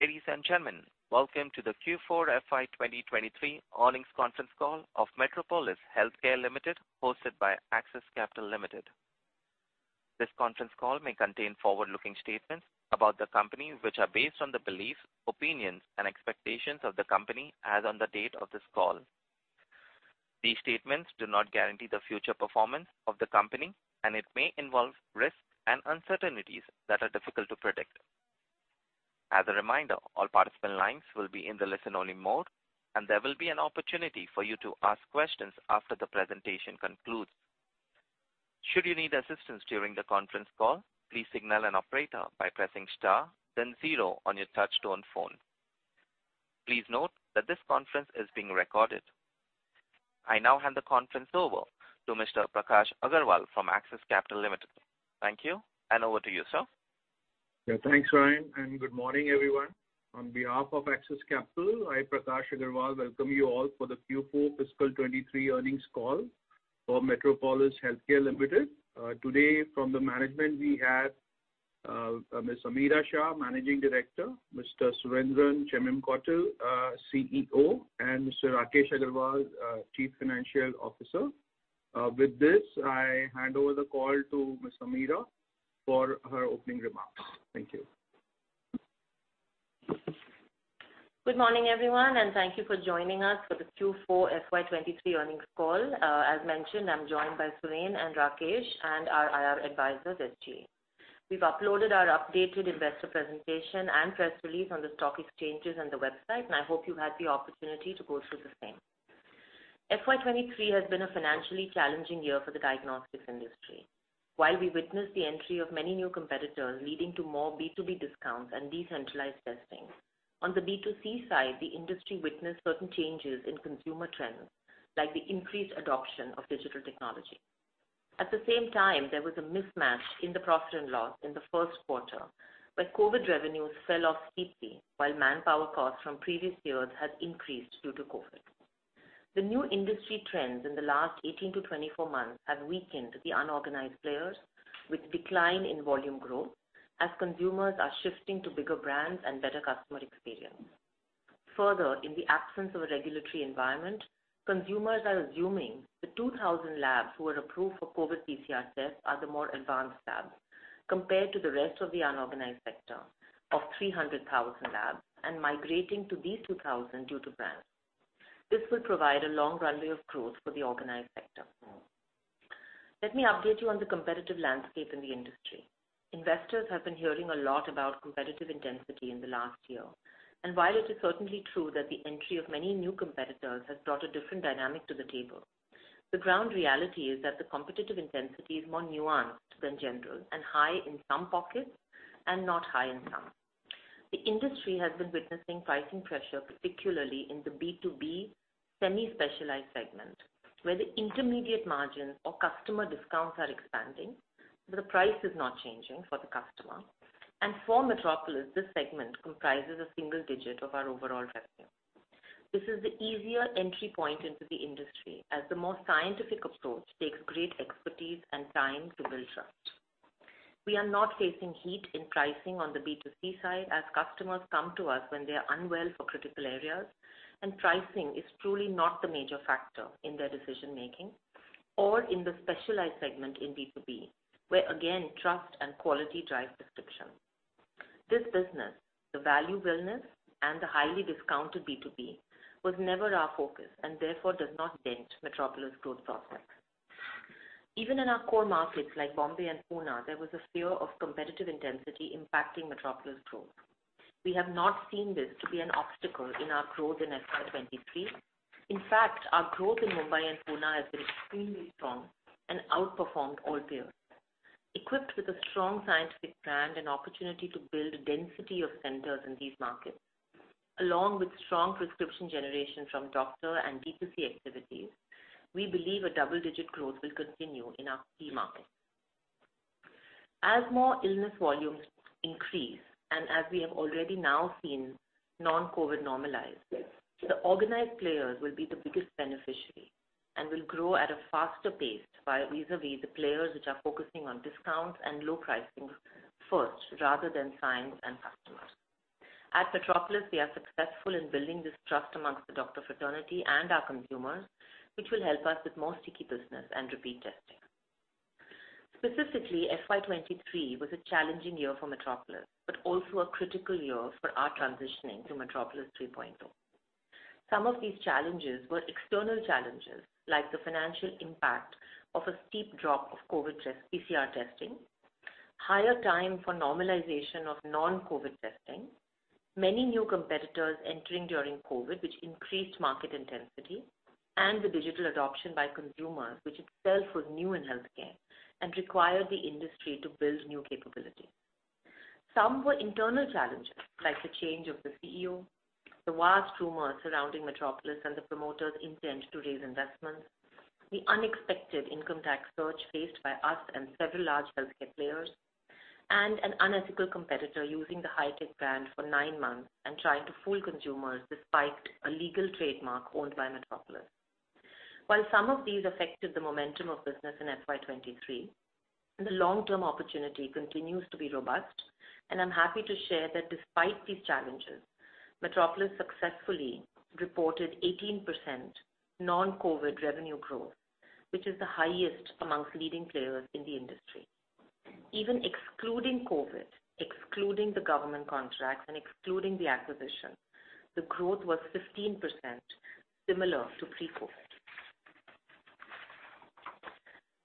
Ladies and gentlemen, welcome to the Q4 FY 2023 Earnings Conference Call of Metropolis Healthcare Limited, hosted by Axis Capital Limited. This conference call may contain forward-looking statements about the company, which are based on the beliefs, opinions, and expectations of the company as on the date of this call. These statements do not guarantee the future performance of the company, and it may involve risks and uncertainties that are difficult to predict. As a reminder, all participant lines will be in the listen-only mode, and there will be an opportunity for you to ask questions after the presentation concludes. Should you need assistance during the conference call, please signal an operator by pressing star, then zero on your touch-tone phone. Please note that this conference is being recorded. I now hand the conference over to Mr. Prakash Agarwal from Axis Capital Limited. Thank you, and over to you, sir. Thanks, Ryan, and good morning, everyone. On behalf of Axis Capital, I, Prakash Agarwal, welcome you all for the Q4 Fiscal 23 earnings call for Metropolis Healthcare Limited. Today, from the management, we have Ms. Ameera Shah, Managing Director, Mr. Surendran Chemmenkotil, CEO, and Mr. Rakesh Agarwal, Chief Financial Officer. With this, I hand over the call to Ms. Ameera for her opening remarks. Thank you. Good morning, everyone, and thank you for joining us for the Q4 FY 23 earnings call. As mentioned, I'm joined by Surendran and Rakesh and our IR advisors, SGA. We've uploaded our updated investor presentation and press release on the stock exchanges and the website, and I hope you had the opportunity to go through the same. FY 23 has been a financially challenging year for the diagnostics industry. While we witnessed the entry of many new competitors leading to more B2B discounts and decentralized testing, on the B2C side, the industry witnessed certain changes in consumer trends, like the increased adoption of digital technology. At the same time, there was a mismatch in the profit and loss in the first quarter, where COVID revenues fell off steeply while manpower costs from previous years had increased due to COVID. The new industry trends in the last 18 to 24 months have weakened the unorganized players, with a decline in volume growth as consumers are shifting to bigger brands and better customer experience. Further, in the absence of a regulatory environment, consumers are assuming the 2,000 labs who were approved for COVID PCR tests are the more advanced labs compared to the rest of the unorganized sector of 300,000 labs and migrating to these 2,000 due to brands. This will provide a long runway of growth for the organized sector. Let me update you on the competitive landscape in the industry. Investors have been hearing a lot about competitive intensity in the last year, and while it is certainly true that the entry of many new competitors has brought a different dynamic to the table, the ground reality is that the competitive intensity is more nuanced than general and high in some pockets and not high in some. The industry has been witnessing pricing pressure, particularly in the B2B semi-specialized segment, where the intermediate margins or customer discounts are expanding, but the price is not changing for the customer, and for Metropolis, this segment comprises a single digit of our overall revenue. This is the easier entry point into the industry, as the more scientific approach takes great expertise and time to build trust. We are not facing heat in pricing on the B2C side, as customers come to us when they are unwell for critical areas, and pricing is truly not the major factor in their decision-making or in the specialized segment in B2B, where, again, trust and quality drive prescription. This business, the value wellness and the highly discounted B2B, was never our focus and therefore does not dent Metropolis' growth prospects. Even in our core markets like Bombay and Pune, there was a fear of competitive intensity impacting Metropolis' growth. We have not seen this to be an obstacle in our growth in FY 2023. In fact, our growth in Mumbai and Pune has been extremely strong and outperformed all peers. Equipped with a strong scientific brand and opportunity to build a density of centers in these markets, along with strong prescription generation from doctor and B2C activities, we believe a double-digit growth will continue in our key markets. As more illness volumes increase and as we have already now seen non-COVID normalize, the organized players will be the biggest beneficiary and will grow at a faster pace vis-à-vis the players which are focusing on discounts and low pricing first rather than science and customers. At Metropolis, we are successful in building this trust among the doctor fraternity and our consumers, which will help us with more sticky business and repeat testing. Specifically, FY 2023 was a challenging year for Metropolis, but also a critical year for our transitioning to Metropolis 3.0. Some of these challenges were external challenges, like the financial impact of a steep drop of COVID PCR testing, higher time for normalization of non-COVID testing, many new competitors entering during COVID, which increased market intensity, and the digital adoption by consumers, which itself was new in healthcare and required the industry to build new capabilities. Some were internal challenges, like the change of the CEO, the vast rumors surrounding Metropolis and the promoter's intent to raise investments, the unexpected income tax surge faced by us and several large healthcare players, and an unethical competitor using the Hitech brand for nine months and trying to fool consumers despite a legal trademark owned by Metropolis. While some of these affected the momentum of business in FY 23, the long-term opportunity continues to be robust, and I'm happy to share that despite these challenges, Metropolis successfully reported 18% non-COVID revenue growth, which is the highest among leading players in the industry. Even excluding COVID, excluding the government contracts, and excluding the acquisition, the growth was 15%, similar to pre-COVID.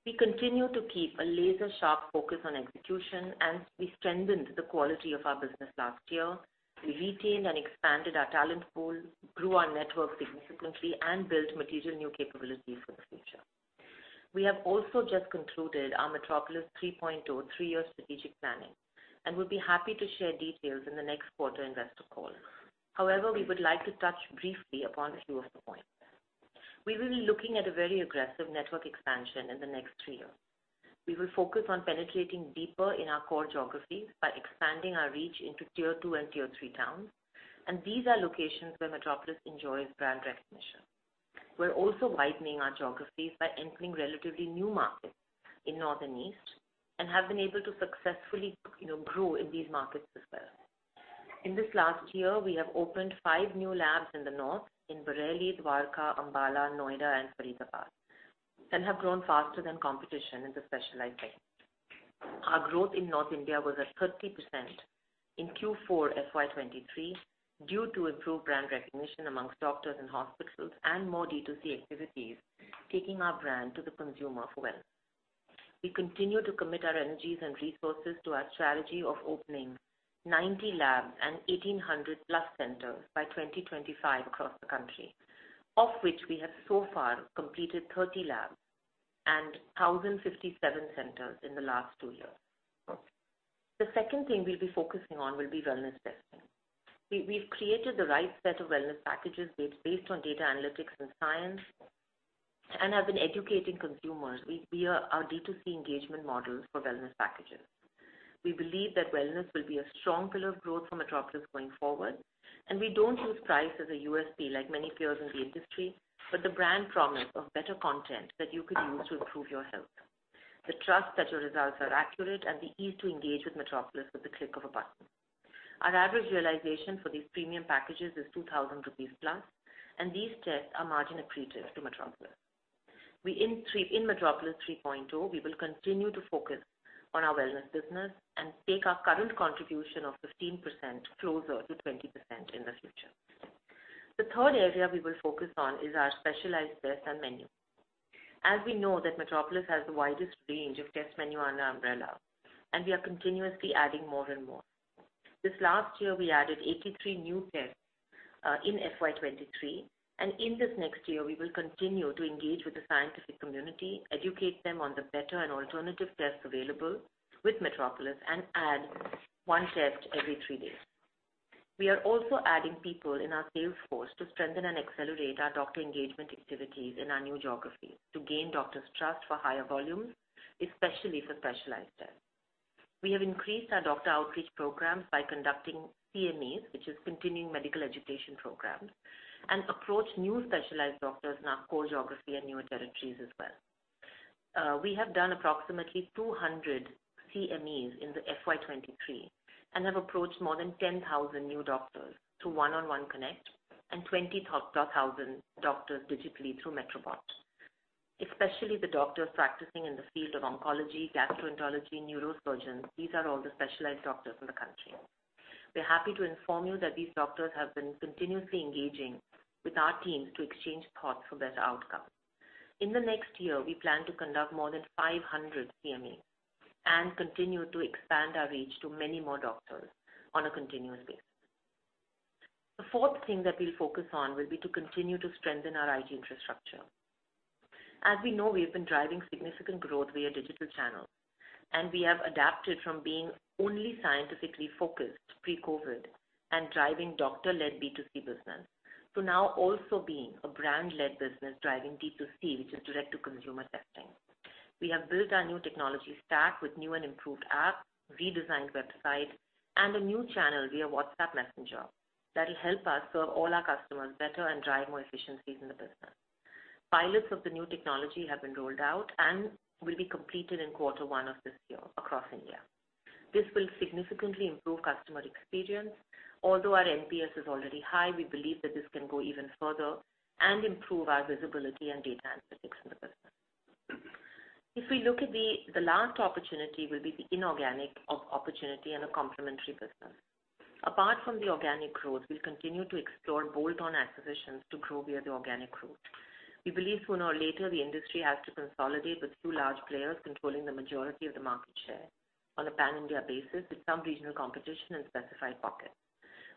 We continue to keep a laser-sharp focus on execution, and we strengthened the quality of our business last year. We retained and expanded our talent pool, grew our network significantly, and built material new capabilities for the future. We have also just concluded our Metropolis 3.0 three-year strategic planning and will be happy to share details in the next quarter investor call. However, we would like to touch briefly upon a few of the points. We will be looking at a very aggressive network expansion in the next three years. We will focus on penetrating deeper in our core geographies by expanding our reach into Tier 2 and Tier 3 towns, and these are locations where Metropolis enjoys brand recognition. We're also widening our geographies by entering relatively new markets in North and East and have been able to successfully grow in these markets as well. In this last year, we have opened five new labs in the North in Bareilly, Dwarka, Ambala, Noida, and Faridabad, and have grown faster than competition in the specialized segment. Our growth in North India was at 30% in Q4 FY 2023 due to improved brand recognition among doctors and hospitals and more D2C activities, taking our brand to the consumer for wellness. We continue to commit our energies and resources to our strategy of opening 90 labs and 1,800 plus centers by 2025 across the country, of which we have so far completed 30 labs and 1,057 centers in the last two years. The second thing we'll be focusing on will be wellness testing. We've created the right set of wellness packages based on data analytics and science and have been educating consumers via our D2C engagement models for wellness packages. We believe that wellness will be a strong pillar of growth for Metropolis going forward, and we don't use price as a USP like many peers in the industry, but the brand promise of better content that you could use to improve your health, the trust that your results are accurate, and the ease to engage with Metropolis with the click of a button. Our average realization for these premium packages is 2,000 rupees plus, and these tests are margin accretive to Metropolis. In Metropolis 3.0, we will continue to focus on our wellness business and take our current contribution of 15% closer to 20% in the future. The third area we will focus on is our specialized tests and menu. As we know that Metropolis has the widest range of test menu under our umbrella, and we are continuously adding more and more. This last year, we added 83 new tests in FY 23, and in this next year, we will continue to engage with the scientific community, educate them on the better and alternative tests available with Metropolis, and add one test every three days. We are also adding people in our sales force to strengthen and accelerate our doctor engagement activities in our new geographies to gain doctors' trust for higher volumes, especially for specialized tests. We have increased our doctor outreach programs by conducting CMEs, which is continuing medical education programs, and approached new specialized doctors in our core geography and newer territories as well. We have done approximately 200 CMEs in the FY 2023 and have approached more than 10,000 new doctors through one-on-one connect and 20,000 doctors digitally through Metrobot, especially the doctors practicing in the field of oncology, gastroenterology, neurosurgeons. These are all the specialized doctors in the country. We're happy to inform you that these doctors have been continuously engaging with our teams to exchange thoughts for better outcomes. In the next year, we plan to conduct more than 500 CMEs and continue to expand our reach to many more doctors on a continuous basis. The fourth thing that we'll focus on will be to continue to strengthen our IT infrastructure. As we know, we've been driving significant growth via digital channels, and we have adapted from being only scientifically focused pre-COVID and driving doctor-led B2C business to now also being a brand-led business driving D2C, which is direct-to-consumer testing. We have built our new technology stack with new and improved apps, redesigned website, and a new channel via WhatsApp Messenger that will help us serve all our customers better and drive more efficiencies in the business. Pilots of the new technology have been rolled out and will be completed in quarter one of this year across India. This will significantly improve customer experience. Although our NPS is already high, we believe that this can go even further and improve our visibility and data analytics in the business. If we look at the last opportunity, it will be the inorganic opportunity and a complementary business. Apart from the organic growth, we'll continue to explore bolt-on acquisitions to grow via the organic growth. We believe sooner or later the industry has to consolidate with two large players controlling the majority of the market share on a pan-India basis with some regional competition and specific pockets.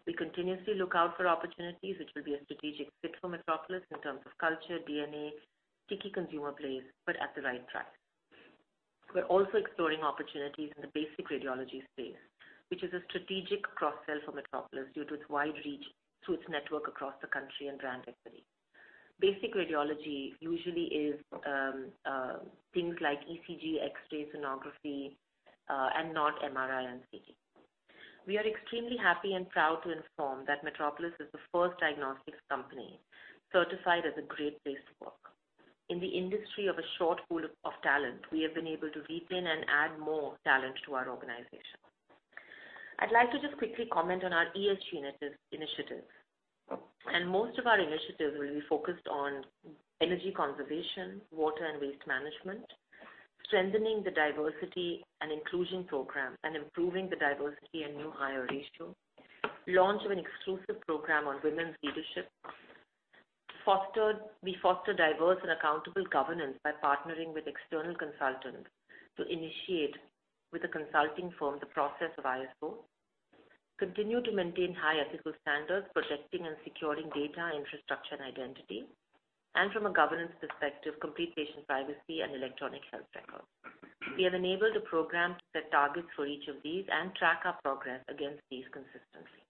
We continuously look out for opportunities which will be a strategic fit for Metropolis in terms of culture, DNA, sticky consumer plays, but at the right price. We're also exploring opportunities in the basic radiology space, which is a strategic cross-sell for Metropolis due to its wide reach through its network across the country and brand equity. Basic radiology usually is things like ECG, X-ray, sonography, and not MRI and CT. We are extremely happy and proud to inform that Metropolis is the first diagnostics company certified as a Great Place to Work. In the industry of a short pool of talent, we have been able to retain and add more talent to our organization. I'd like to just quickly comment on our ESG initiatives, and most of our initiatives will be focused on energy conservation, water and waste management, strengthening the diversity and inclusion program, and improving the diversity and new hire ratio, launch of an exclusive program on women's leadership. We foster diverse and accountable governance by partnering with external consultants to initiate with a consulting firm the process of ISO, continue to maintain high ethical standards protecting and securing data, infrastructure, and identity, and from a governance perspective, complete patient privacy and electronic health records. We have enabled a program to set targets for each of these and track our progress against these consistently.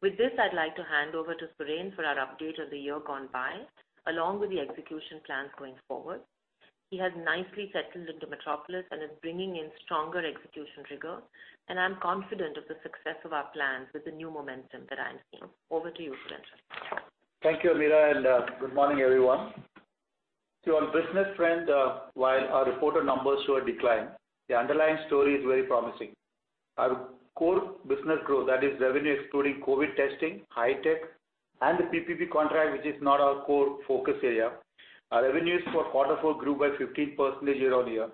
With this, I'd like to hand over to Suren for our update on the year gone by, along with the execution plans going forward. He has nicely settled into Metropolis and is bringing in stronger execution rigor, and I'm confident of the success of our plans with the new momentum that I'm seeing. Over to you, Suren. Thank you, Ameera, and good morning, everyone. To our business trend, while our reported numbers show a decline, the underlying story is very promising. Our core business growth, that is revenue excluding COVID testing, Hitech, and the PPP contract, which is not our core focus area, our revenues for quarter four grew by 15% year on year,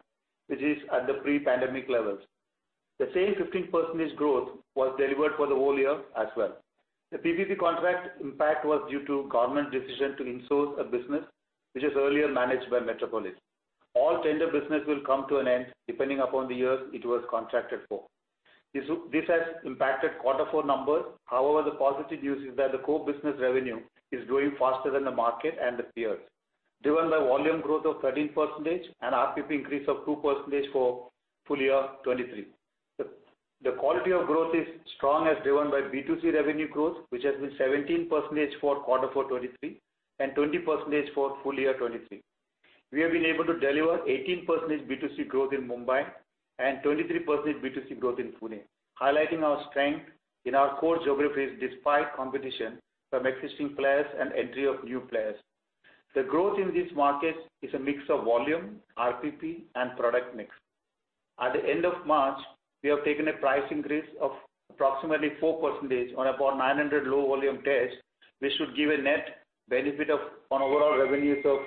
which is at the pre-pandemic levels. The same 15% growth was delivered for the whole year as well. The PPP contract impact was due to government decision to insource a business, which is earlier managed by Metropolis. All tender business will come to an end depending upon the years it was contracted for. This has impacted quarter four numbers. However, the positive news is that the core business revenue is growing faster than the market and the peers, driven by volume growth of 13% and RPP increase of 2% for full year 2023. The quality of growth is strong as driven by B2C revenue growth, which has been 17% for quarter four 2023 and 20% for full year 2023. We have been able to deliver 18% B2C growth in Mumbai and 23% B2C growth in Pune, highlighting our strength in our core geographies despite competition from existing players and entry of new players. The growth in these markets is a mix of volume, RPP, and product mix. At the end of March, we have taken a price increase of approximately 4% on about 900 low-volume tests, which should give a net benefit on overall revenues of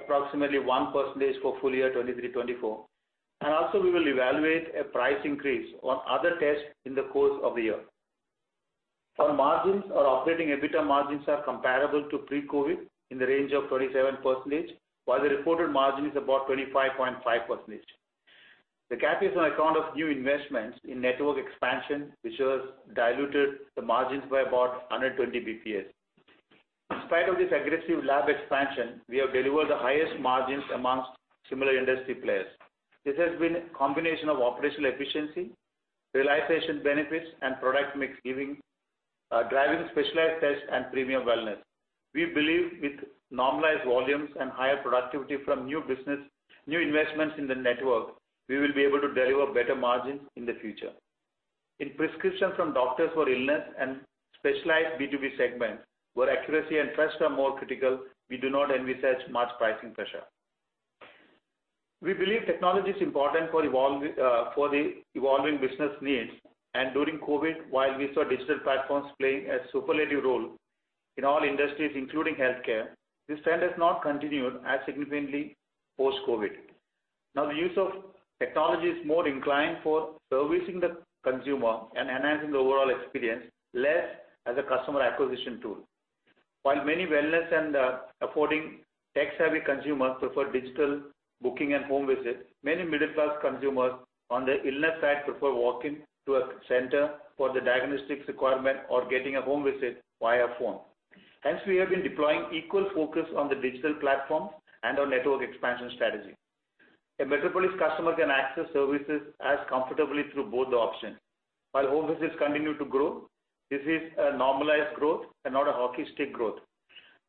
approximately 1% for full year 2023-24, and also we will evaluate a price increase on other tests in the course of the year. Our margins or operating EBITDA margins are comparable to pre-COVID in the range of 27%, while the reported margin is about 25.5%. The gap is on account of new investments in network expansion, which has diluted the margins by about 120 basis points. In spite of this aggressive lab expansion, we have delivered the highest margins amongst similar industry players. This has been a combination of operational efficiency, realization benefits, and product mix giving driving specialized tests and premium wellness. We believe with normalized volumes and higher productivity from new business, new investments in the network, we will be able to deliver better margins in the future. In prescription from doctors for illness and specialized B2B segments, where accuracy and trust are more critical, we do not envisage much pricing pressure. We believe technology is important for the evolving business needs, and during COVID, while we saw digital platforms playing a superlative role in all industries, including healthcare, this trend has not continued as significantly post-COVID. Now, the use of technology is more inclined towards servicing the consumer and enhancing the overall experience, less as a customer acquisition tool. While many wellness and affording tech-savvy consumers prefer digital booking and home visits, many middle-class consumers on the illness side prefer walking to a center for the diagnostics requirement or getting a home visit via phone. Hence, we have been deploying equal focus on the digital platforms and our network expansion strategy. A Metropolis customer can access services as comfortably through both options. While home visits continue to grow, this is a normalized growth and not a hockey stick growth.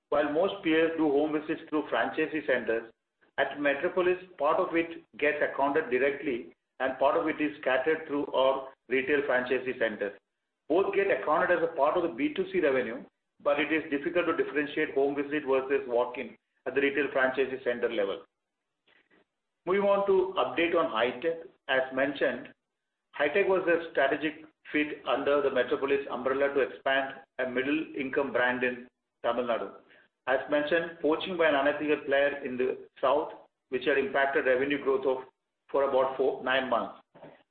While most peers do home visits through franchisee centers, at Metropolis, part of it gets accounted directly and part of it is scattered through our retail franchisee centers. Both get accounted as a part of the B2C revenue, but it is difficult to differentiate home visit versus walk-in at the retail franchisee center level. Moving on to an update on Hitech. As mentioned, Hitech was a strategic fit under the Metropolis umbrella to expand a middle-income brand in Tamil Nadu. As mentioned, poaching by an unethical player in the south, which had impacted revenue growth for about nine months.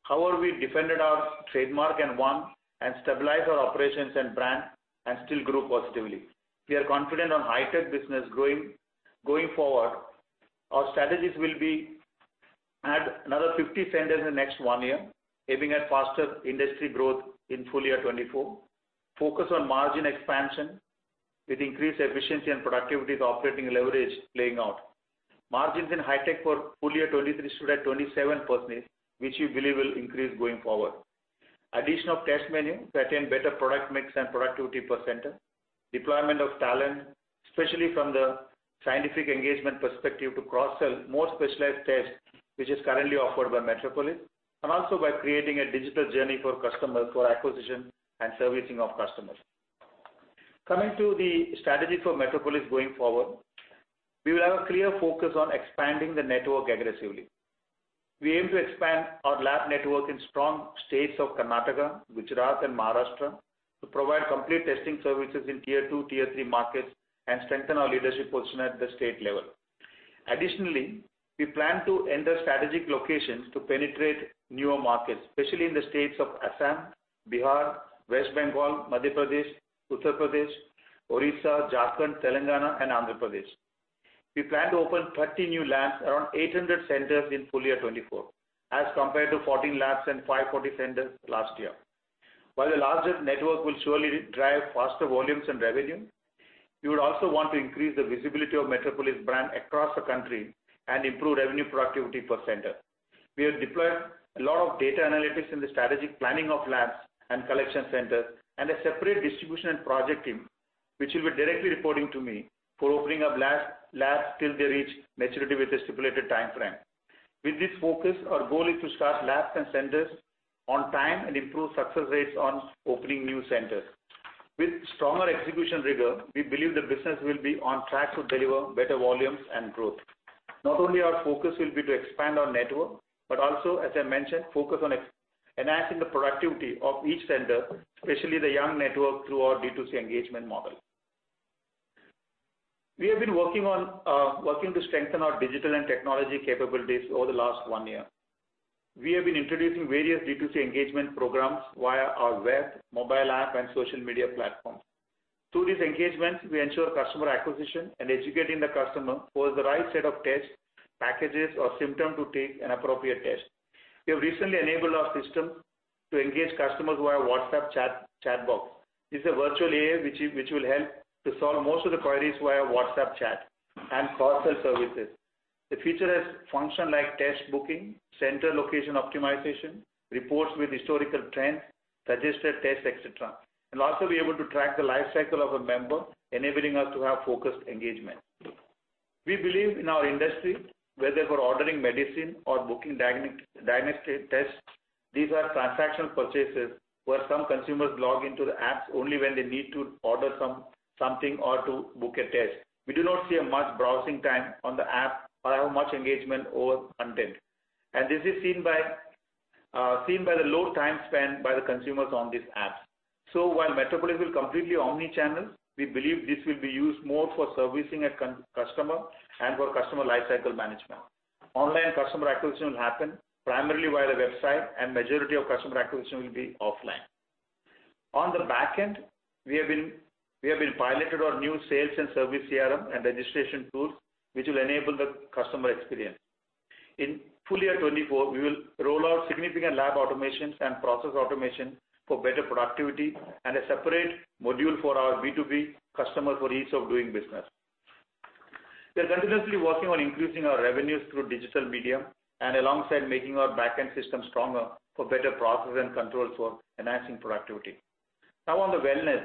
However, we defended our trademark and won and stabilized our operations and brand and still grew positively. We are confident on Hitech business growing forward. Our strategies will be add another 50 centers in the next one year, aiming at faster industry growth in full year 2024. Focus on margin expansion with increased efficiency and productivity of operating leverage playing out. Margins in Hitech for full year 2023 stood at 27%, which we believe will increase going forward. Addition of test menu to attain better product mix and productivity percent. Deployment of talent, especially from the scientific engagement perspective, to cross-sell more specialized tests, which is currently offered by Metropolis, and also by creating a digital journey for customers for acquisition and servicing of customers. Coming to the strategy for Metropolis going forward, we will have a clear focus on expanding the network aggressively. We aim to expand our lab network in strong states of Karnataka, Gujarat, and Maharashtra to provide complete testing services in tier two, tier three markets and strengthen our leadership position at the state level. Additionally, we plan to enter strategic locations to penetrate newer markets, especially in the states of Assam, Bihar, West Bengal, Madhya Pradesh, Uttar Pradesh, Odisha, Jharkhand, Telangana, and Andhra Pradesh. We plan to open 30 new labs, around 800 centers in full year 24, as compared to 14 labs and 540 centers last year. While the larger network will surely drive faster volumes and revenue, we would also want to increase the visibility of Metropolis brand across the country and improve revenue productivity per center. We have deployed a lot of data analytics in the strategic planning of labs and collection centers and a separate distribution and project team, which will be directly reporting to me for opening up labs till they reach maturity with a stipulated time frame. With this focus, our goal is to start labs and centers on time and improve success rates on opening new centers. With stronger execution rigor, we believe the business will be on track to deliver better volumes and growth. Not only our focus will be to expand our network, but also, as I mentioned, focus on enhancing the productivity of each center, especially the young network through our D2C engagement model. We have been working to strengthen our digital and technology capabilities over the last one year. We have been introducing various D2C engagement programs via our web, mobile app, and social media platforms. Through these engagements, we ensure customer acquisition and educating the customer who has the right set of test packages or symptoms to take an appropriate test. We have recently enabled our system to engage customers via WhatsApp chat box. This is a virtual AI which will help to solve most of the queries via WhatsApp chat and cross-sell services. The feature has functioned like test booking, center location optimization, reports with historical trends, suggested tests, etc., and also be able to track the lifecycle of a member, enabling us to have focused engagement. We believe in our industry, whether for ordering medicine or booking diagnostic tests, these are transactional purchases where some consumers log into the apps only when they need to order something or to book a test. We do not see much browsing time on the app or have much engagement or content. And this is seen by the low time spent by the consumers on these apps. So while Metropolis will completely omnichannel, we believe this will be used more for servicing a customer and for customer lifecycle management. Online customer acquisition will happen primarily via the website, and the majority of customer acquisition will be offline. On the back end, we have piloted our new sales and service CRM and registration tools, which will enable the customer experience. In full year 2024, we will roll out significant lab automations and process automation for better productivity and a separate module for our B2B customer for ease of doing business. We are continuously working on increasing our revenues through digital media and alongside making our back-end system stronger for better process and control for enhancing productivity. Now, on the wellness,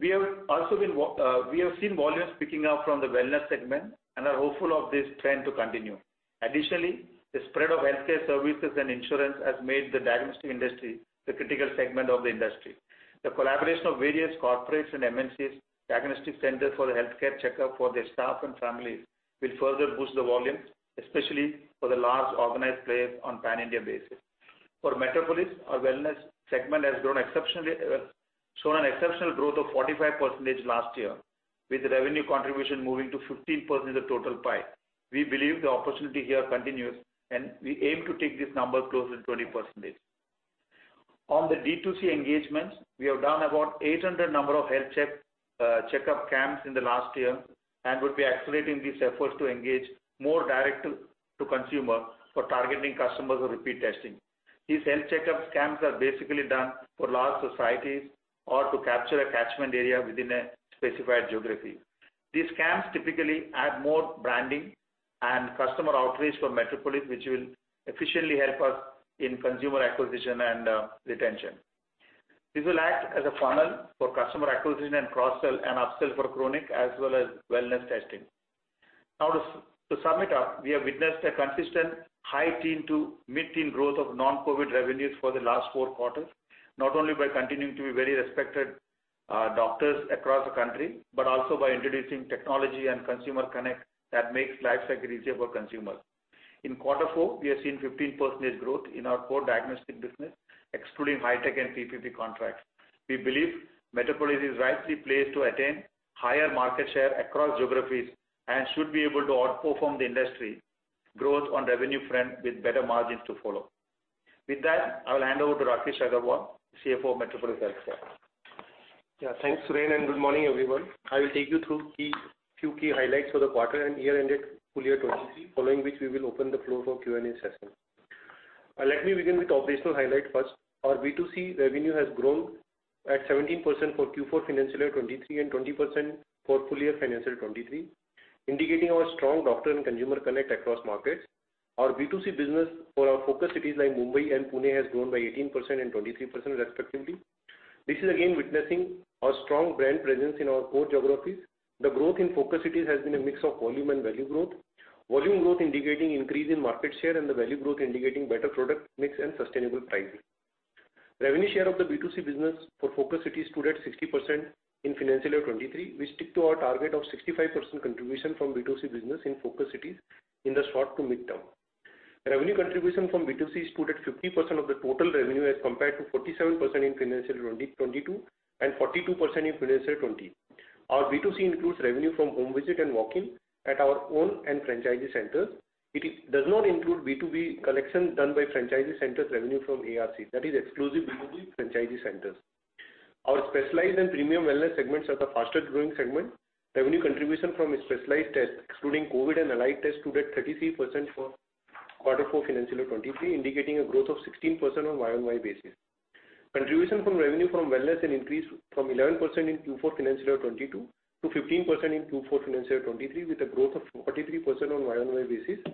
we have seen volumes picking up from the wellness segment and are hopeful of this trend to continue. Additionally, the spread of healthcare services and insurance has made the diagnostic industry the critical segment of the industry. The collaboration of various corporates and MNCs, diagnostic centers for the healthcare checkup for their staff and families will further boost the volume, especially for the large organized players on a pan-India basis. For Metropolis, our wellness segment has shown an exceptional growth of 45% last year, with revenue contribution moving to 15% of the total pie. We believe the opportunity here continues, and we aim to take these numbers closer to 20%. On the D2C engagements, we have done about 800 numbers of health checkup camps in the last year and would be accelerating these efforts to engage more directly to consumers for targeting customers or repeat testing. These health checkup camps are basically done for large societies or to capture a catchment area within a specified geography. These camps typically add more branding and customer outreach for Metropolis, which will efficiently help us in consumer acquisition and retention. This will act as a funnel for customer acquisition and cross-sell and upsell for chronic as well as wellness testing. Now, to sum it up, we have witnessed a consistent high teen to mid-teen growth of non-COVID revenues for the last four quarters, not only by continuing to be very respected doctors across the country, but also by introducing technology and consumer connect that makes lifecycle easier for consumers. In quarter four, we have seen 15% growth in our core diagnostic business, excluding high-tech and PPP contracts. We believe Metropolis is rightly placed to attain higher market share across geographies and should be able to outperform the industry growth on revenue front with better margins to follow. With that, I will hand over to Rakesh Agarwal, CFO, Metropolis Healthcare. Yeah, thanks, Suren, and good morning, everyone. I will take you through a few key highlights for the quarter and year-ended full year 2023, following which we will open the floor for Q&A session. Let me begin with the operational highlight first. Our B2C revenue has grown at 17% for Q4 financial year 2023 and 20% for full year financial year 2023, indicating our strong doctor and consumer connect across markets. Our B2C business for our focus cities like Mumbai and Pune has grown by 18% and 23%, respectively. This is again witnessing our strong brand presence in our core geographies. The growth in focus cities has been a mix of volume and value growth, volume growth indicating increase in market share and the value growth indicating better product mix and sustainable pricing. Revenue share of the B2C business for focus cities stood at 60% in financial year 2023. We stick to our target of 65% contribution from B2C business in focus cities in the short to midterm. Revenue contribution from B2C stood at 50% of the total revenue as compared to 47% in financial year 2022 and 42% in financial year 2020. Our B2C includes revenue from home visit and walk-in at our own and franchisee centers. It does not include B2B collection done by franchisee centers revenue from ARC. That is exclusive B2B franchisee centers. Our specialized and premium wellness segments are the fastest growing segment. Revenue contribution from specialized tests, excluding COVID and allied tests, stood at 33% for quarter four financial year 2023, indicating a growth of 16% on a Y-on-Y basis. Contribution from revenue from wellness and increased from 11% in Q4 financial year 2022 to 15% in Q4 financial year 2023, with a growth of 43% on a Y-on-Y basis.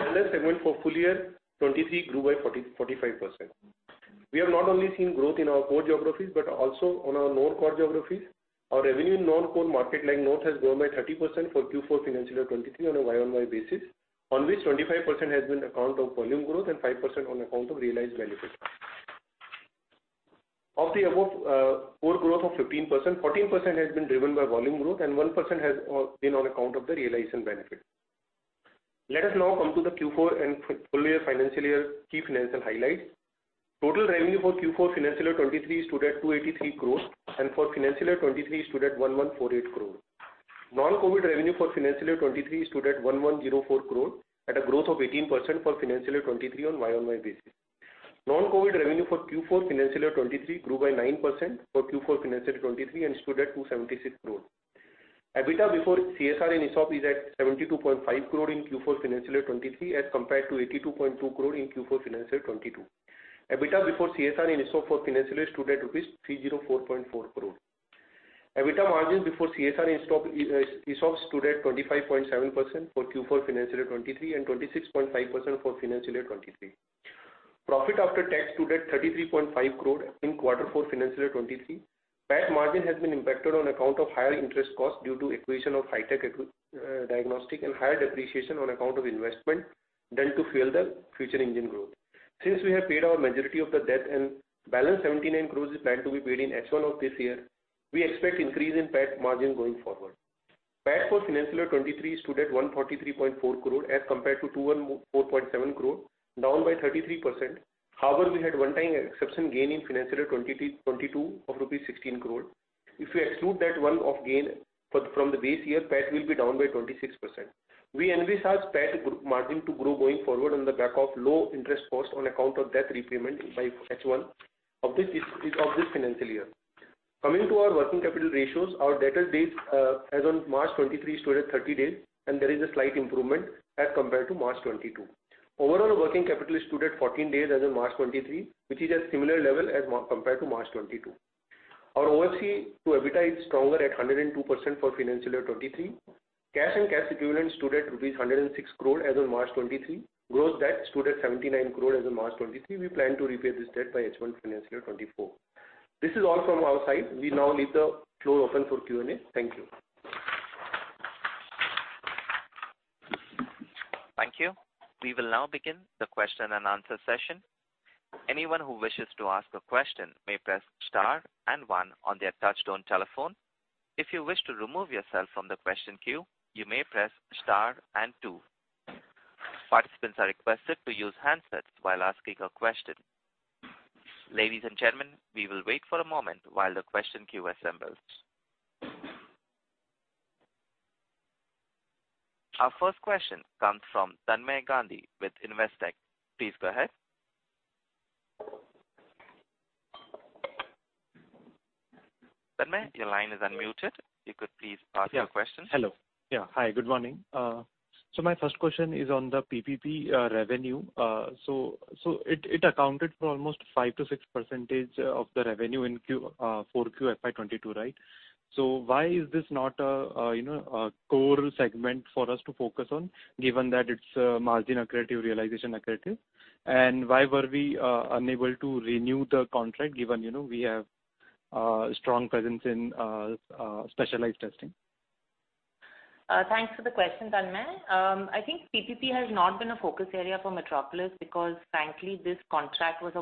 Wellness segment for full year 2023 grew by 45%. We have not only seen growth in our core geographies, but also in our non-core geographies. Our revenue in non-core markets like North India has grown by 30% for Q4 financial year 2023 on a Y-on-Y basis, of which 25% has been on account of volume growth and 5% on account of realized benefit. Of the above, core growth of 15%, 14% has been driven by volume growth, and 1% has been on account of the realized benefit. Let us now come to the Q4 and full year financial year key financial highlights. Total revenue for Q4 financial year 2023 stood at 283 crore, and for financial year 2023 stood at 1148 crore. Non-COVID revenue for financial year 2023 stood at 1104 crore at a growth of 18% for financial year 2023 on a Y-on-Y basis. Non-COVID revenue for Q4 financial year 2023 grew by 9% for Q4 financial year 2023 and stood at 276 crore. EBITDA before CSR and ESOP is at 72.5 crore in Q4 financial year 2023 as compared to 82.2 crore in Q4 financial year 2022. EBITDA before CSR and ESOP for financial year 2023 stood at 304.4 crore. EBITDA margin before CSR and ESOP stood at 25.7% for Q4 financial year 2023 and 26.5% for financial year 2023. Profit after tax stood at 33.5 crore in quarter four financial year 2023. PAT margin has been impacted on account of higher interest cost due to acquisition of Hitech Diagnostic and higher depreciation on account of investment done to fuel the future engine growth. Since we have paid our majority of the debt and balance 79 crore is planned to be paid in H1 of this year, we expect increase in PAT margin going forward. PAT for financial year 2023 stood at 143.4 crore as compared to 214.7 crore, down by 33%. However, we had one-time exceptional gain in financial year 2022 of rupees 16 crore. If we exclude that one-time gain from the base year, PAT will be down by 26%. We envisage PAT margin to grow going forward on the back of low interest cost on account of debt repayment by H1 of this financial year. Coming to our working capital ratios, our debtor days as of March 2023 stood at 30 days, and there is a slight improvement as compared to March 2022. Overall, working capital stood at 14 days as of March 23, which is at similar level as compared to March 22. Our OCF to EBITDA is stronger at 102% for financial year 2023. Cash and cash equivalent stood at rupees 106 crore as of March 23. Gross debt stood at 79 crore as of March 23. We plan to repay this debt by H1 financial year 2024. This is all from our side. We now leave the floor open for Q&A. Thank you. Thank you. We will now begin the question and answer session. Anyone who wishes to ask a question may press star and one on their touch-tone telephone. If you wish to remove yourself from the question queue, you may press star and two. Participants are requested to use handsets while asking a question. Ladies and gentlemen, we will wait for a moment while the question queue assembles. Our first question comes from Tanmay Gandhi with Investec. Please go ahead. Tanmay, your line is unmuted. You could please pass your question. Hello. Yeah, hi, good morning. So my first question is on the PPP revenue. So it accounted for almost 5%-6% of the revenue in Q4, FY 22, right? So why is this not a core segment for us to focus on, given that it's a margin-accretive, realization-accretive? And why were we unable to renew the contract, given we have a strong presence in specialized testing? Thanks for the question, Tanmay. I think PPP has not been a focus area for Metropolis because, frankly, this contract was a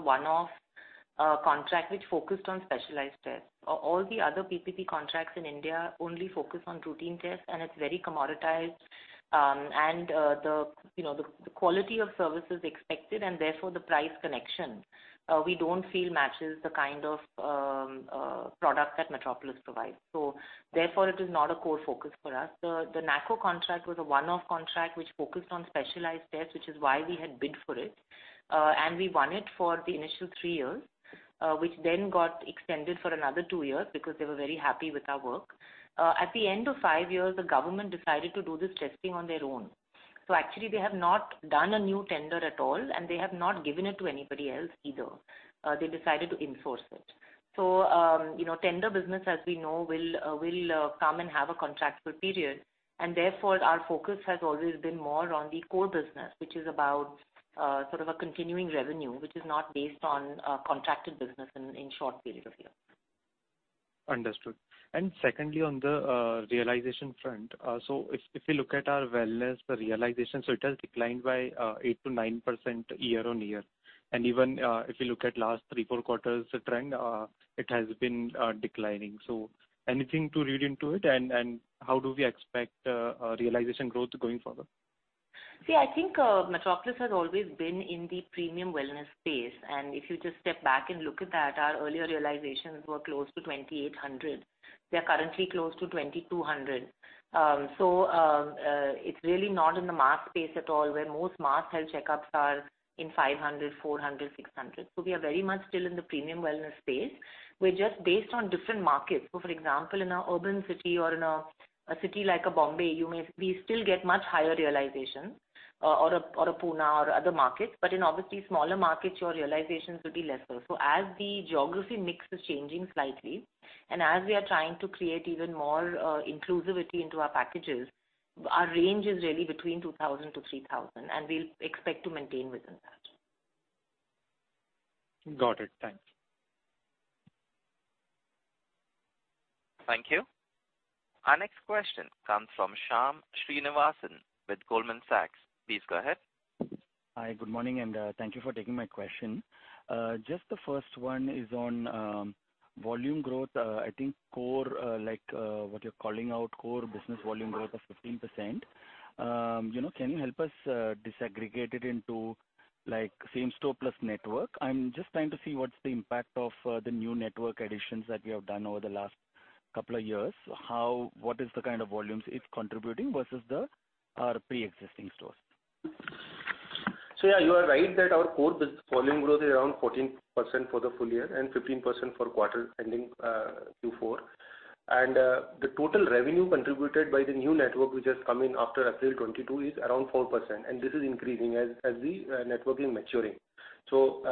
one-off contract which focused on specialized tests. All the other PPP contracts in India only focus on routine tests, and it's very commoditized. And the quality of services expected, and therefore the price connection, we don't feel matches the kind of product that Metropolis provides. So therefore, it is not a core focus for us. The NACO contract was a one-off contract which focused on specialized tests, which is why we had bid for it. And we won it for the initial three years, which then got extended for another two years because they were very happy with our work. At the end of five years, the government decided to do this testing on their own. So actually, they have not done a new tender at all, and they have not given it to anybody else either. They decided to insource it. So tender business, as we know, will come and have a contractual period. Therefore, our focus has always been more on the core business, which is about sort of a continuing revenue, which is not based on contracted business in short periods of years. Understood. Secondly, on the realization front, so if we look at our wellness, the realization, so it has declined by 8%-9% year on year. And even if we look at last three, four quarters' trend, it has been declining. Anything to read into it? And how do we expect realization growth going forward? See, I think Metropolis has always been in the premium wellness space. And if you just step back and look at that, our earlier realizations were close to 2,800. They're currently close to 2,200. It's really not in the mass space at all, where most mass health checkups are in 500, 400, 600. So we are very much still in the premium wellness space. We're just based on different markets. So for example, in an urban city or in a city like Bombay, we still get much higher realization or Pune or other markets. But in obviously smaller markets, your realizations would be lesser. So as the geography mix is changing slightly, and as we are trying to create even more inclusivity into our packages, our range is really between 2,000-3,000, and we'll expect to maintain within that. Got it. Thanks. Thank you. Our next question comes from Shyam Srinivasan with Goldman Sachs. Please go ahead. Hi, good morning, and thank you for taking my question. Just the first one is on volume growth. I think what you're calling out, core business volume growth of 15%. Can you help us disaggregate it into same store plus network? I'm just trying to see what's the impact of the new network additions that you have done over the last couple of years. What is the kind of volumes it's contributing versus our pre-existing stores? So yeah, you are right that our core volume growth is around 14% for the full year and 15% for quarter ending Q4. And the total revenue contributed by the new network, which has come in after April 22, is around 4%. And this is increasing as the network is maturing. So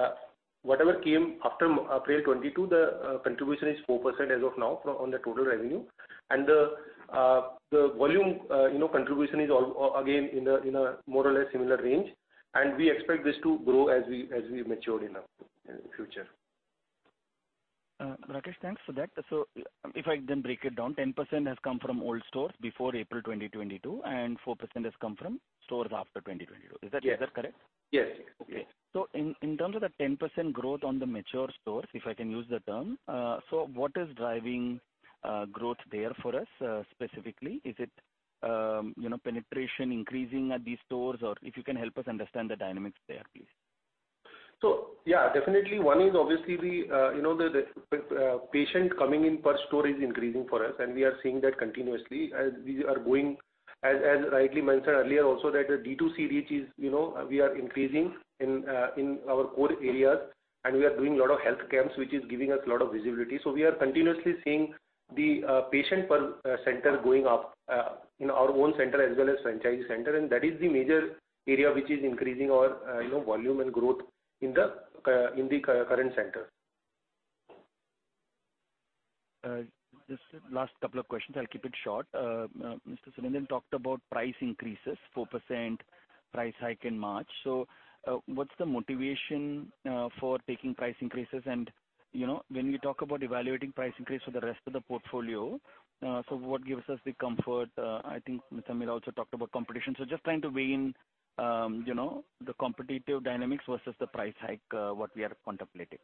whatever came after April 22, the contribution is 4% as of now on the total revenue. And the volume contribution is again in a more or less similar range. And we expect this to grow as we mature in the future. Rakesh, thanks for that. So if I then break it down, 10% has come from old stores before April 2022, and 4% has come from stores after 2022. Is that correct? Yes. Okay. So in terms of the 10% growth on the mature stores, if I can use the term, so what is driving growth there for us specifically? Is it penetration increasing at these stores? Or if you can help us understand the dynamics there, please. So yeah, definitely. One is obviously the patient coming in per store is increasing for us, and we are seeing that continuously. As rightly mentioned earlier also, that the D2C reach is we are increasing in our core areas, and we are doing a lot of health camps, which is giving us a lot of visibility. So we are continuously seeing the patient per center going up in our own center as well as franchisee center. That is the major area which is increasing our volume and growth in the current center. Just last couple of questions. I'll keep it short. Mr. Surendran talked about price increases, 4% price hike in March. So what's the motivation for taking price increases? And when we talk about evaluating price increase for the rest of the portfolio, so what gives us the comfort? I think Ms. Ameera also talked about competition. So just trying to weigh in the competitive dynamics versus the price hike what we are contemplating.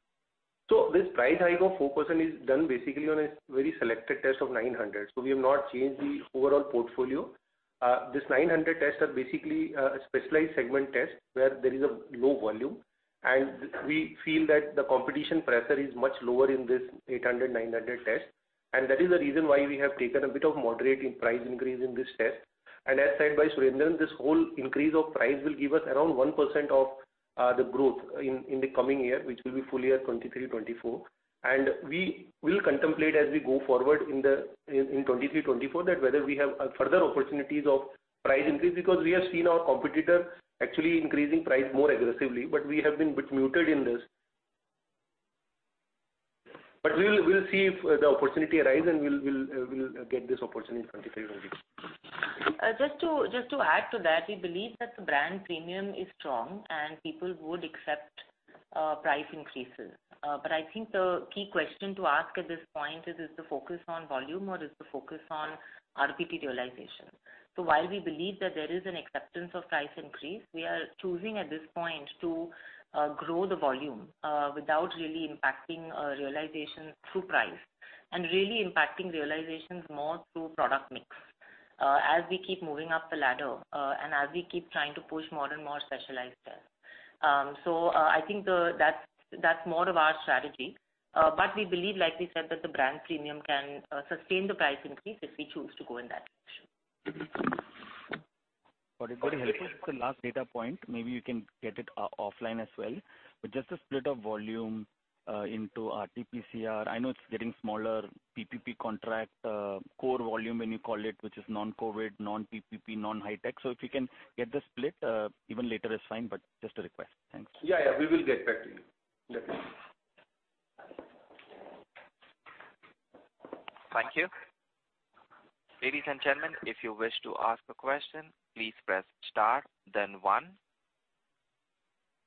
So this price hike of 4% is done basically on a very selected test of 900. So we have not changed the overall portfolio. This 900 test are basically specialized segment tests where there is a low volume. And we feel that the competition pressure is much lower in this 800, 900 test. That is the reason why we have taken a bit of moderate price increase in this test. As said by Surendran, this whole increase of price will give us around 1% of the growth in the coming year, which will be full year 2023, 2024. We will contemplate as we go forward in 2023, 2024 that whether we have further opportunities of price increase because we have seen our competitor actually increasing price more aggressively, but we have been a bit muted in this. We'll see if the opportunity arises, and we'll get this opportunity in 2023, 2024. Just to add to that, we believe that the brand premium is strong, and people would accept price increases. I think the key question to ask at this point is, is the focus on volume, or is the focus on RPT realization? So while we believe that there is an acceptance of price increase, we are choosing at this point to grow the volume without really impacting realizations through price and really impacting realizations more through product mix as we keep moving up the ladder and as we keep trying to push more and more specialized tests. So I think that's more of our strategy. But we believe, like we said, that the brand premium can sustain the price increase if we choose to go in that direction. Very helpful. The last data point, maybe you can get it offline as well. But just the split of volume into RTPCR. I know it's getting smaller. PPP contract core volume, when you call it, which is non-COVID, non-PPP, non-high-tech. So if you can get the split, even later is fine, but just a request. Thanks. Yeah, yeah. We will get back to you. Thank you. Ladies and gentlemen, if you wish to ask a question, please press star, then one.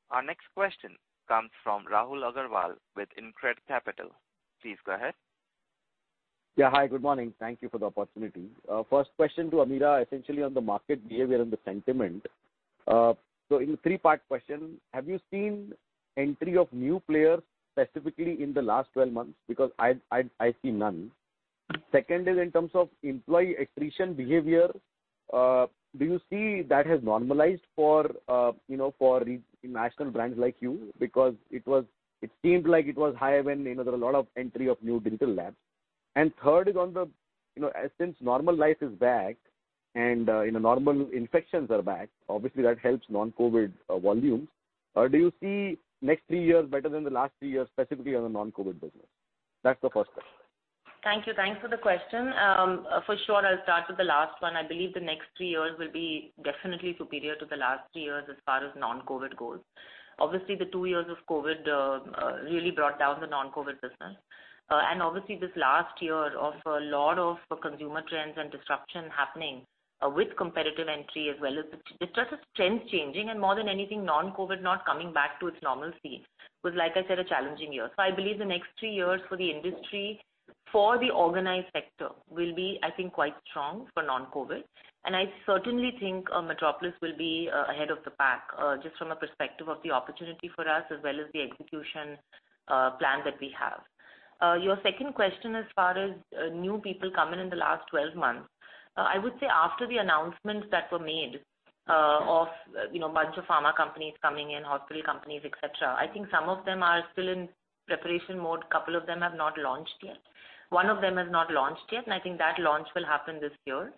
Our next question comes from Rahul Agarwal with InCred Capital. Please go ahead. Yeah, hi, good morning. Thank you for the opportunity. First question to Ameera, essentially on the market behavior and the sentiment. So in the three-part question, have you seen entry of new players specifically in the last 12 months? Because I see none. Second is in terms of employee attrition behavior, do you see that has normalized for national brands like you? Because it seemed like it was high when there were a lot of entry of new digital labs. And third is on the since normal life is back and normal infections are back, obviously that helps non-COVID volumes. Do you see next three years better than the last three years, specifically on the non-COVID business? That's the first question. Thank you. Thanks for the question. For sure, I'll start with the last one. I believe the next three years will be definitely superior to the last three years as far as non-COVID goes. Obviously, the two years of COVID really brought down the non-COVID business, and obviously, this last year of a lot of consumer trends and disruption happening with competitive entry as well as just trends changing, and more than anything, non-COVID not coming back to its normalcy was, like I said, a challenging year, so I believe the next three years for the industry, for the organized sector, will be, I think, quite strong for non-COVID, and I certainly think Metropolis will be ahead of the pack just from a perspective of the opportunity for us as well as the execution plan that we have. Your second question as far as new people coming in the last 12 months, I would say after the announcements that were made of a bunch of pharma companies coming in, hospital companies, etc., I think some of them are still in preparation mode. A couple of them have not launched yet. One of them has not launched yet. And I think that launch will happen this year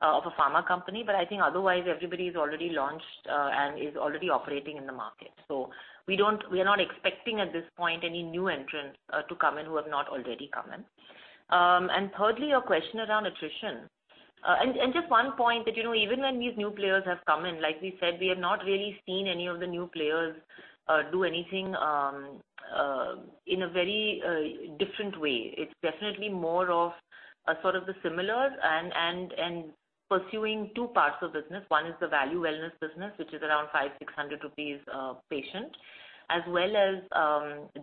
of a pharma company. But I think otherwise, everybody has already launched and is already operating in the market. So we are not expecting at this point any new entrants to come in who have not already come in. And thirdly, your question around attrition. And just one point that even when these new players have come in, like we said, we have not really seen any of the new players do anything in a very different way. It's definitely more of sort of the similar and pursuing two parts of business. One is the value wellness business, which is around 500-600 rupees per patient, as well as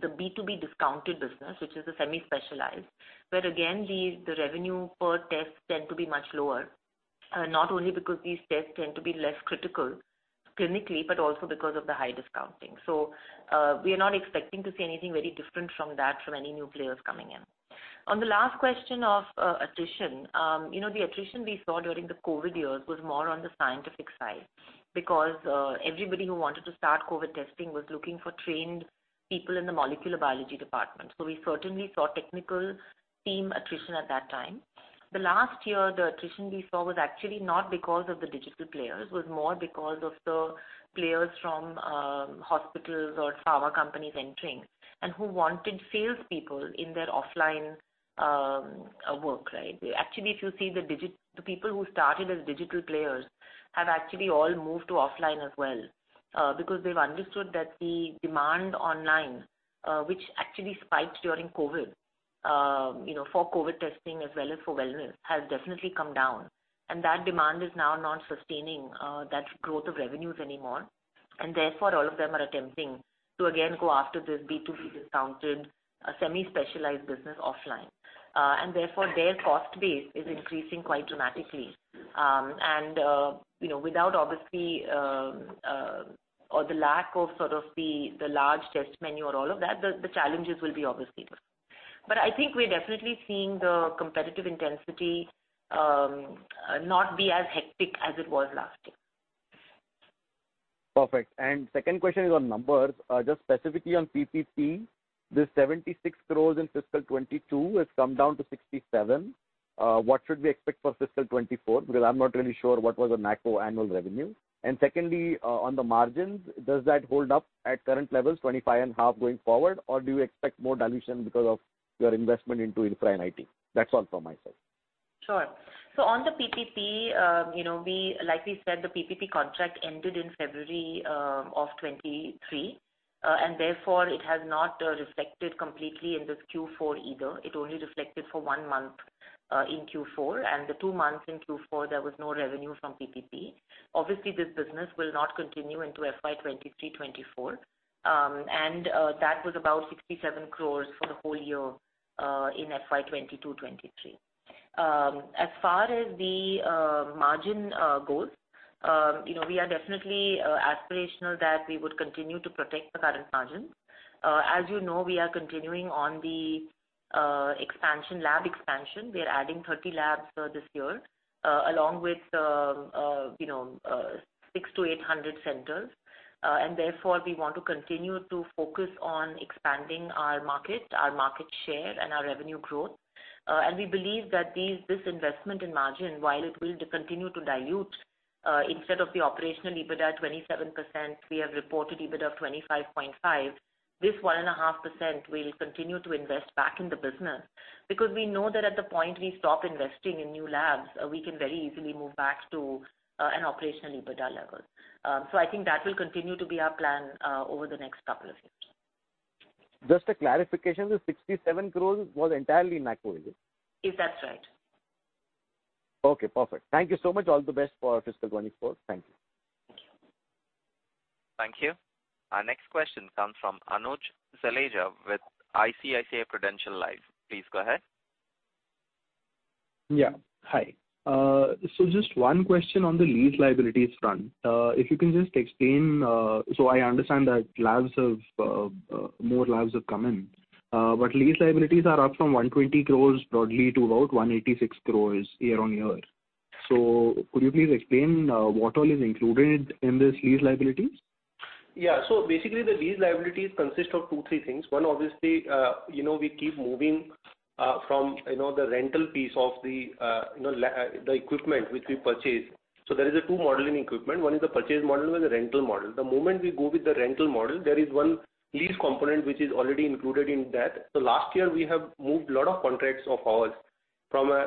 the B2B discounted business, which is the semi-specialized, where again, the revenue per test tends to be much lower, not only because these tests tend to be less critical clinically, but also because of the high discounting. So we are not expecting to see anything very different from that from any new players coming in. On the last question of attrition, the attrition we saw during the COVID years was more on the scientific side because everybody who wanted to start COVID testing was looking for trained people in the molecular biology department. So we certainly saw technical team attrition at that time. The last year, the attrition we saw was actually not because of the digital players. It was more because of the players from hospitals or pharma companies entering and who wanted salespeople in their offline work, right? Actually, if you see the people who started as digital players have actually all moved to offline as well because they've understood that the demand online, which actually spiked during COVID for COVID testing as well as for wellness, has definitely come down, and that demand is now not sustaining that growth of revenues anymore. And therefore, all of them are attempting to again go after this B2B discounted semi-specialized business offline, and therefore, their cost base is increasing quite dramatically. And without obviously or the lack of sort of the large test menu or all of that, the challenges will be obviously there, but I think we're definitely seeing the competitive intensity not be as hectic as it was last year. Perfect. Second question is on numbers. Just specifically on PPP, the 76 crores in fiscal 2022 has come down to 67. What should we expect for fiscal 2024? Because I'm not really sure what was the NACO annual revenue. And secondly, on the margins, does that hold up at current levels, 25 and a half going forward, or do you expect more dilution because of your investment into infra and IT? That's all from my side. Sure. On the PPP, like we said, the PPP contract ended in February of 2023. And therefore, it has not reflected completely in this Q4 either. It only reflected for one month in Q4. And the two months in Q4, there was no revenue from PPP. Obviously, this business will not continue into FY 2023, 2024. And that was about 67 crores for the whole year in FY 2022, 2023. As far as the margin goes, we are definitely aspirational that we would continue to protect the current margins. As you know, we are continuing on the expansion, lab expansion. We are adding 30 labs this year along with 600-800 centers, and therefore, we want to continue to focus on expanding our market, our market share, and our revenue growth, and we believe that this investment in margin, while it will continue to dilute instead of the operational EBITDA at 27%, we have reported EBITDA of 25.5%. This 1.5% will continue to invest back in the business because we know that at the point we stop investing in new labs, we can very easily move back to an operational EBITDA level, so I think that will continue to be our plan over the next couple of years. Just a clarification, the 67 crore was entirely in NACO, is it? Yes, that's right. Okay. Perfect. Thank you so much. All the best for fiscal 2024. Thank you. Thank you. Thank you. Our next question comes from Anuj Suneja with ICICI Prudential Life Insurance. Please go ahead. Yeah. Hi. So just one question on the lease liabilities front. If you can just explain, so I understand that more labs have come in, but lease liabilities are up from 120 crore broadly to about 186 crore year on year. So could you please explain what all is included in these lease liabilities? Yeah. So basically, the lease liabilities consist of two, three things. One, obviously, we keep moving from the rental piece of the equipment which we purchase. So there is a two model in equipment. One is the purchase model with the rental model. The moment we go with the rental model, there is one lease component which is already included in that. So last year, we have moved a lot of contracts of ours from an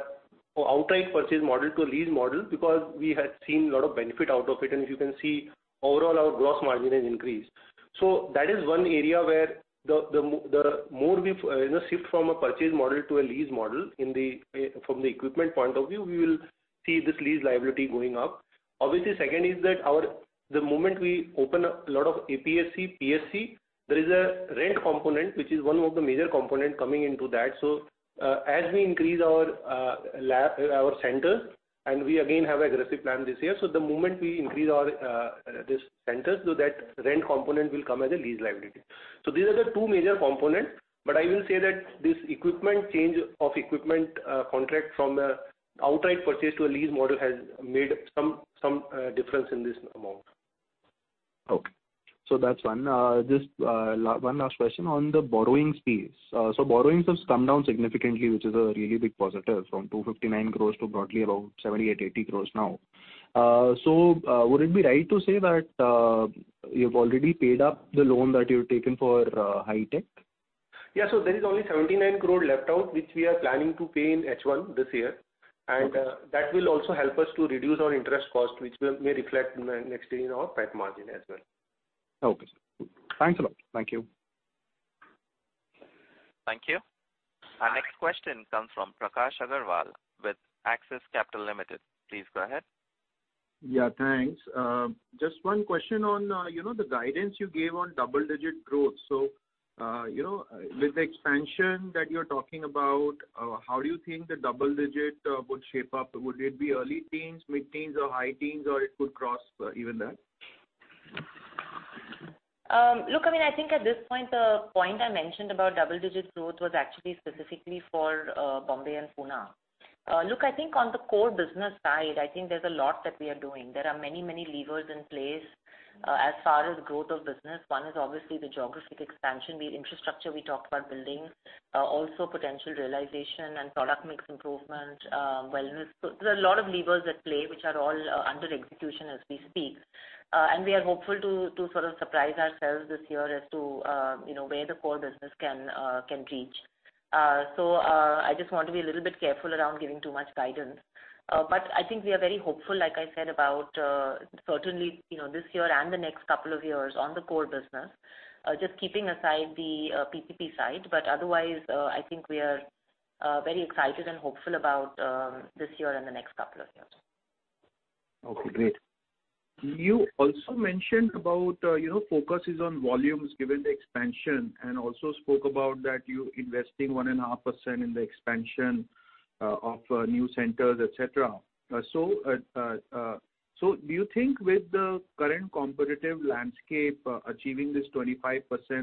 outright purchase model to a lease model because we had seen a lot of benefit out of it. And if you can see, overall, our gross margin has increased. So that is one area where the more we shift from a purchase model to a lease model from the equipment point of view, we will see this lease liability going up. Obviously, second is that the moment we open a lot of APSC, PSC, there is a rent component, which is one of the major components coming into that. So as we increase our centers and we again have an aggressive plan this year, so the moment we increase this centers, that rent component will come as a lease liability. So these are the two major components. But I will say that this equipment change of equipment contract from an outright purchase to a lease model has made some difference in this amount. Okay. So that's one. Just one last question on the borrowing space. So borrowings have come down significantly, which is a really big positive from 259 crores to broadly about 78-80 crores now. So would it be right to say that you've already paid up the loan that you've taken for Hitech? Yeah. So there is only 79 crore left out, which we are planning to pay in H1 this year. And that will also help us to reduce our interest cost, which may reflect next year in our PAT margin as well. Okay. Thanks a lot. Thank you. Thank you. Our next question comes from Prakash Agarwal with Axis Capital Limited. Please go ahead. Yeah. Thanks. Just one question on the guidance you gave on double-digit growth. So with the expansion that you're talking about, how do you think the double-digit would shape up? Would it be early teens, mid-teens, or high teens, or it could cross even that? Look, I mean, I think at this point, the point I mentioned about double-digit growth was actually specifically for Bombay and Pune. Look, I think on the core business side, I think there's a lot that we are doing. There are many, many levers in place as far as growth of business. One is obviously the geographic expansion. The infrastructure we talked about, buildings, also potential realization and product mix improvement, wellness. So there are a lot of levers at play which are all under execution as we speak. And we are hopeful to sort of surprise ourselves this year as to where the core business can reach. So I just want to be a little bit careful around giving too much guidance. But I think we are very hopeful, like I said, about certainly this year and the next couple of years on the core business, just keeping aside the PPP side. But otherwise, I think we are very excited and hopeful about this year and the next couple of years. Okay. Great. You also mentioned about focus is on volumes given the expansion and also spoke about that you're investing 1.5% in the expansion of new centers, etc. So do you think with the current competitive landscape, achieving this 25%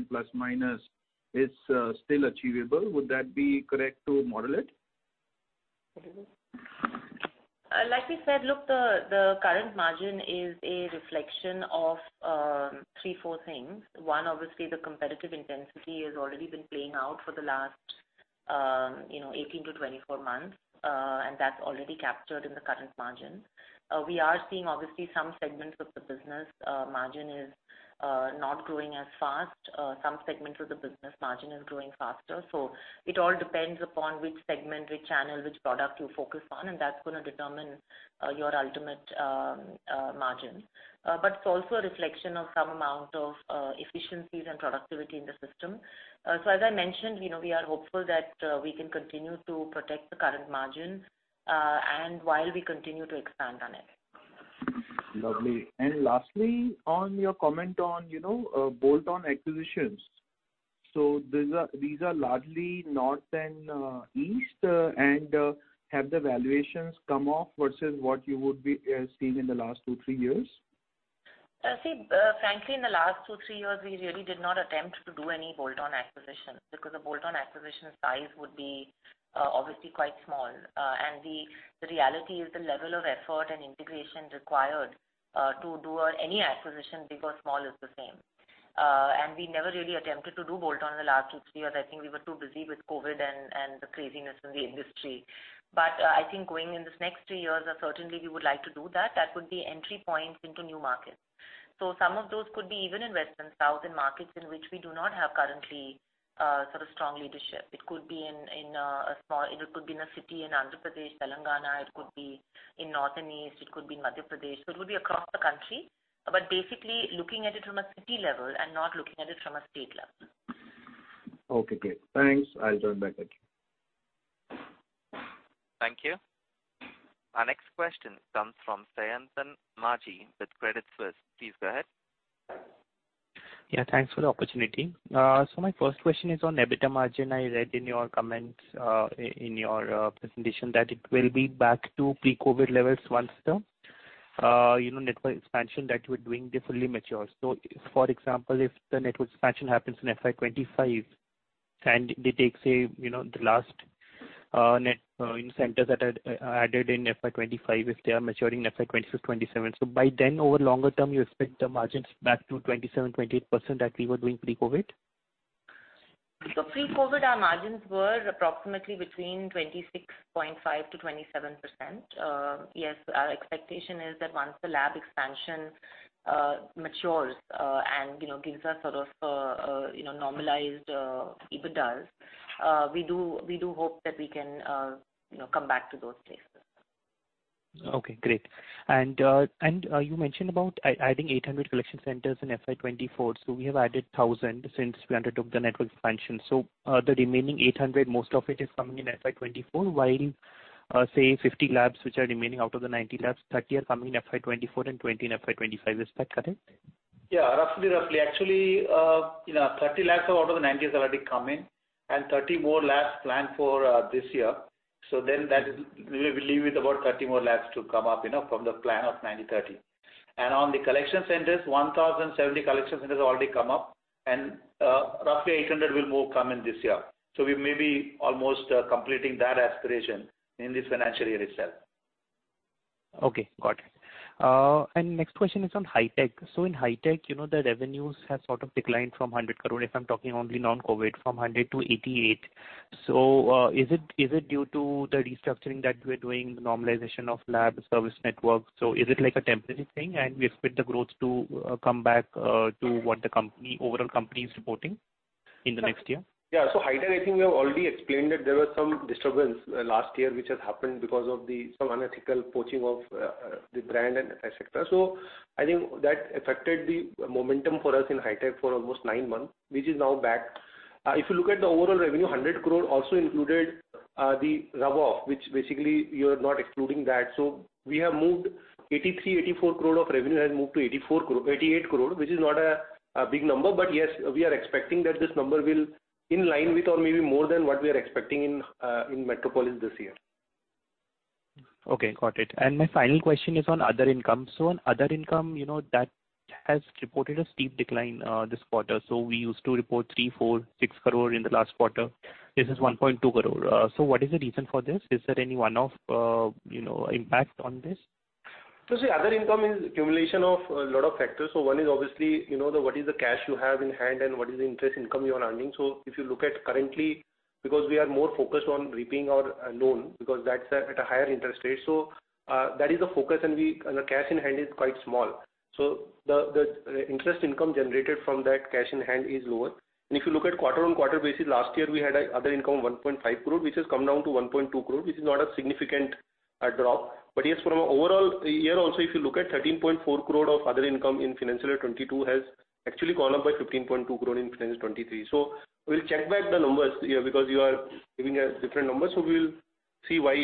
plus minus is still achievable? Would that be correct to model it? Like we said, look, the current margin is a reflection of three, four things. One, obviously, the competitive intensity has already been playing out for the last 18 to 24 months, and that's already captured in the current margin. We are seeing, obviously, some segments of the business margin is not growing as fast. Some segments of the business margin is growing faster. So it all depends upon which segment, which channel, which product you focus on, and that's going to determine your ultimate margin. But it's also a reflection of some amount of efficiencies and productivity in the system. So as I mentioned, we are hopeful that we can continue to protect the current margin and while we continue to expand on it. Lovely. And lastly, on your comment on bolt-on acquisitions. So these are largely north and east and have the valuations come off versus what you would be seeing in the last two, three years? See, frankly, in the last two, three years, we really did not attempt to do any bolt-on acquisition because the bolt-on acquisition size would be obviously quite small. And the reality is the level of effort and integration required to do any acquisition, big or small, is the same. And we never really attempted to do bolt-on in the last two, three years. I think we were too busy with COVID and the craziness in the industry. But I think going in this next three years, certainly, we would like to do that. That would be entry points into new markets. So some of those could be even in West and South in markets in which we do not have currently sort of strong leadership. It could be in a small city in Andhra Pradesh, Telangana. It could be in North and East. It could be in Madhya Pradesh. So it would be across the country. But basically, looking at it from a city level and not looking at it from a state level. Okay. Great. Thanks. I'll turn it back to you. Thank you. Our next question comes from Sayantan Maji with Credit Suisse. Please go ahead. Yeah. Thanks for the opportunity. So my first question is on EBITDA margin. I read in your comments in your presentation that it will be back to pre-COVID levels once the network expansion that you were doing fully mature. For example, if the network expansion happens in FY 25 and they take, say, the last centers that are added in FY 25, if they are maturing in FY 26, 27, so by then, over longer term, you expect the margins back to 27%-28% that we were doing pre-COVID? Pre-COVID, our margins were approximately between 26.5%-27%. Yes. Our expectation is that once the lab expansion matures and gives us sort of normalized EBITDAs, we do hope that we can come back to those places. Okay. Great. You mentioned about adding 800 collection centers in FY 24. We have added 1,000 since we undertook the network expansion. The remaining 800, most of it is coming in FY 24, while, say, 50 labs which are remaining out of the 90 labs, 30 are coming in FY 24 and 20 in FY 25. Is that correct? Yeah. Roughly, roughly. Actually, 30 labs out of the 90 have already come in, and 30 more labs planned for this year. So then that will leave with about 30 more labs to come up from the plan of 90, 30. And on the collection centers, 1,070 collection centers have already come up, and roughly 800 will more come in this year. So we may be almost completing that aspiration in this financial year itself. Okay. Got it. And next question is on Hitech. So in Hitech, the revenues have sort of declined from 100 crore, if I'm talking only non-COVID, from 100 crore to 88 crore. So is it due to the restructuring that we are doing, the normalization of lab service networks? So is it a temporary thing, and we expect the growth to come back to what the overall company is reporting in the next year? Yeah. So Hitech, I think we have already explained that there were some disturbances last year which have happened because of some unethical poaching of the brand and etc. So I think that affected the momentum for us in Hitech for almost nine months, which is now back. If you look at the overall revenue, 100 crore also included the rub-off, which basically you are not excluding that. So we have moved 83-84 crore of revenue has moved to 88 crore, which is not a big number. But yes, we are expecting that this number will be in line with or maybe more than what we are expecting in Metropolis this year. Okay. Got it. And my final question is on other income. So on other income, that has reported a steep decline this quarter. So we used to report 3, 4, 6 crore in the last quarter. This is 1.2 crore. So what is the reason for this? Is there any one-off impact on this? So see, other income is an accumulation of a lot of factors. So one is obviously what is the cash you have in hand and what is the interest income you are earning. So if you look at currently, because we are more focused on repaying our loan because that's at a higher interest rate, so that is the focus. And the cash in hand is quite small. So the interest income generated from that cash in hand is lower. And if you look at quarter-on-quarter basis, last year, we had other income of 1.5 crore, which has come down to 1.2 crore, which is not a significant drop. But yes, from an overall year also, if you look at 13.4 crore of other income in financial year 2022 has actually gone up by 15.2 crore in financial year 2023. So we'll check back the numbers here because you are giving a different number. So we will see why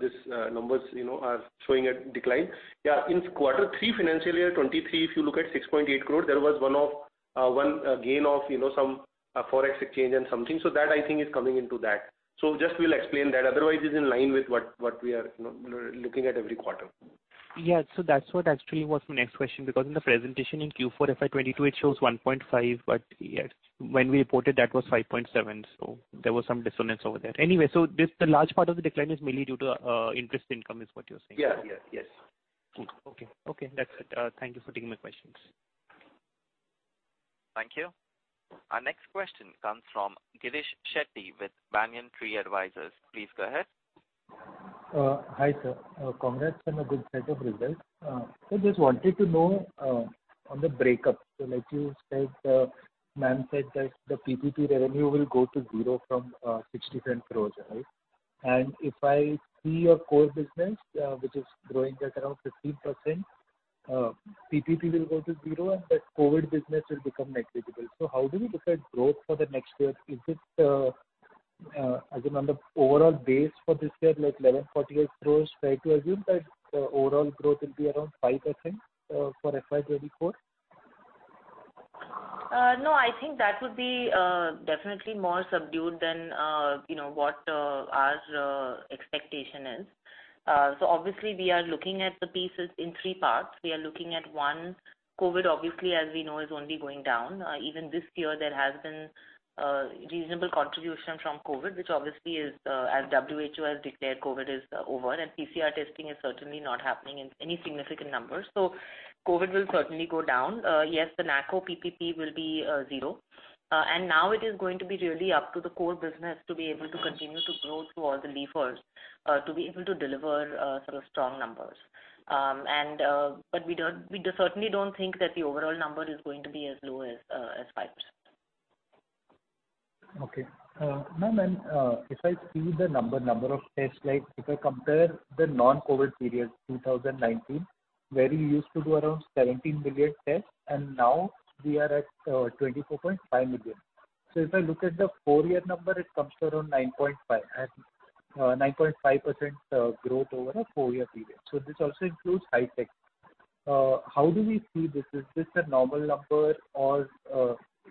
these numbers are showing a decline. Yeah. In quarter three, financial year 2023, if you look at 6.8 crore, there was one gain of some Forex exchange and something. So that, I think, is coming into that. So just we'll explain that. Otherwise, it's in line with what we are looking at every quarter. Yeah. So that's what actually was my next question because in the presentation in Q4 FY 2022, it shows 1.5, but yes, when we reported, that was 5.7. So there was some dissonance over there. Anyway, so the large part of the decline is mainly due to interest income, is what you're saying. Yeah. Yes. Yes. Okay. Okay. That's it. Thank you for taking my questions. Thank you. Our next question comes from Girish Shetty with Banyan Tree Advisors. Please go ahead. Hi, sir. Congrats on a good set of results. So just wanted to know on the breakup. So like you said, you mentioned that the PPP revenue will go to zero from 60 crore, right? And if I see your core business, which is growing at around 15%, PPP will go to zero, and the COVID business will become negligible. So how do we look at growth for the next year? Is it, as in on the overall base for this year, like 11.48 crores? Try to assume that the overall growth will be around 5%, I think, for FY 2024. No, I think that would be definitely more subdued than what our expectation is. So obviously, we are looking at the pieces in three parts. We are looking at one, COVID, obviously, as we know, is only going down. Even this year, there has been reasonable contribution from COVID, which obviously, as WHO has declared, COVID is over, and PCR testing is certainly not happening in any significant numbers. So COVID will certainly go down. Yes, the NACO PPP will be zero. And now it is going to be really up to the core business to be able to continue to grow through all the levers, to be able to deliver sort of strong numbers. But we certainly don't think that the overall number is going to be as low as 5%. Okay. No, man, if I see the number of tests, if I compare the non-COVID period, 2019, where we used to do around 17 million tests, and now we are at 24.5 million. So if I look at the four-year number, it comes to around 9.5% growth over a four-year period. So this also includes Hitech. How do we see this? Is this a normal number, or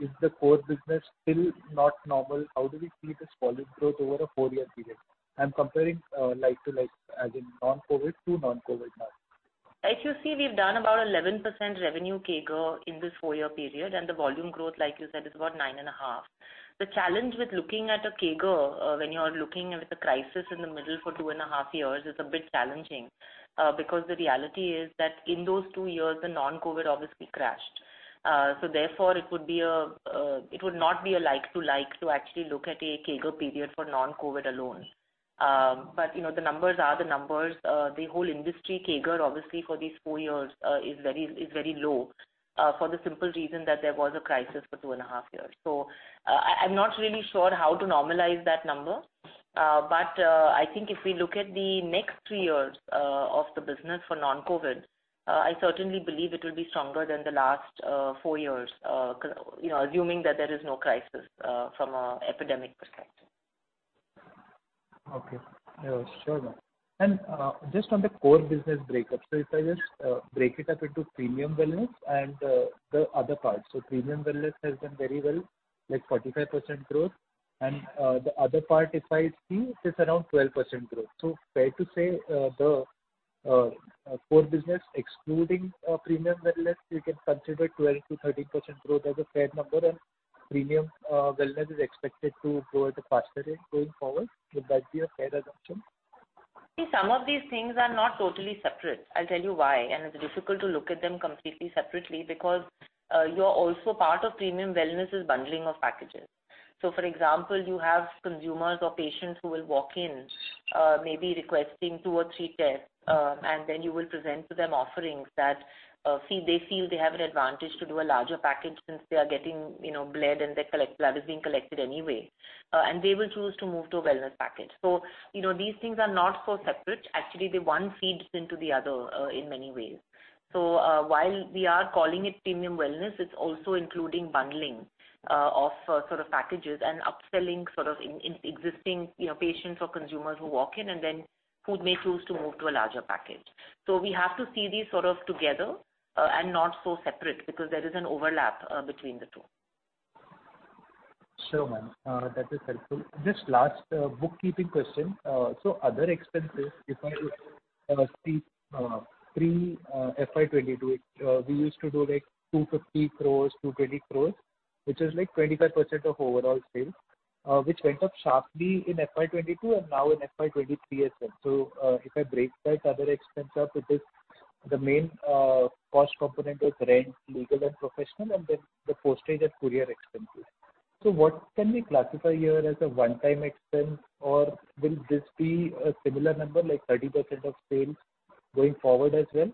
is the core business still not normal? How do we see this volume growth over a four-year period? I'm comparing as in non-COVID to non-COVID now. If you see, we've done about 11% revenue CAGR in this four-year period, and the volume growth, like you said, is about 9.5. The challenge with looking at a CAGR when you are looking at the crisis in the middle for two and a half years is a bit challenging because the reality is that in those two years, the non-COVID obviously crashed. So therefore, it would not be a like-to-like to actually look at a CAGR period for non-COVID alone. But the numbers are the numbers. The whole industry CAGR, obviously, for these four years is very low for the simple reason that there was a crisis for two and a half years. So I'm not really sure how to normalize that number. But I think if we look at the next three years of the business for non-COVID, I certainly believe it will be stronger than the last four years, assuming that there is no crisis from an epidemic perspective. Okay. Sure. And just on the core business breakup, so if I just break it up into premium wellness and the other parts. So premium wellness has done very well, like 45% growth. And the other part, if I see, it's around 12% growth. So fair to say the core business, excluding premium wellness, you can consider 12%-13% growth as a fair number, and premium wellness is expected to grow at a faster rate going forward. Would that be a fair assumption? See, some of these things are not totally separate. I'll tell you why. And it's difficult to look at them completely separately because you're also part of premium wellness is bundling of packages. So, for example, you have consumers or patients who will walk in, maybe requesting two or three tests, and then you will present to them offerings that they feel they have an advantage to do a larger package since they are getting bled and their blood is being collected anyway. And they will choose to move to a wellness package. So these things are not so separate. Actually, the one feeds into the other in many ways. So while we are calling it premium wellness, it's also including bundling of sort of packages and upselling sort of existing patients or consumers who walk in, and then who may choose to move to a larger package. So we have to see these sort of together and not so separate because there is an overlap between the two. Sure, man. That is helpful. Just last bookkeeping question. So other expenses, if I see pre-FY 22, we used to do like 250 crores, 220 crores, which is like 25% of overall sales, which went up sharply in FY 22 and now in FY 23 as well. So if I break that other expense up, it is the main cost component of rent, legal and professional, and then the postage and courier expenses. So what can we classify here as a one-time expense, or will this be a similar number, like 30% of sales going forward as well,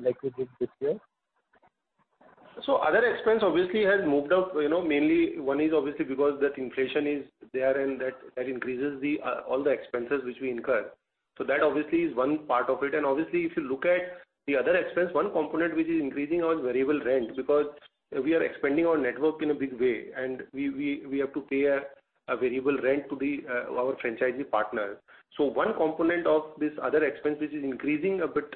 like we did this year? So other expense obviously has moved up. Mainly, one is obviously because that inflation is there and that increases all the expenses which we incur. So that obviously is one part of it. And obviously, if you look at the other expense, one component which is increasing our variable rent because we are expanding our network in a big way, and we have to pay a variable rent to our franchisee partners. So one component of this other expense which is increasing a bit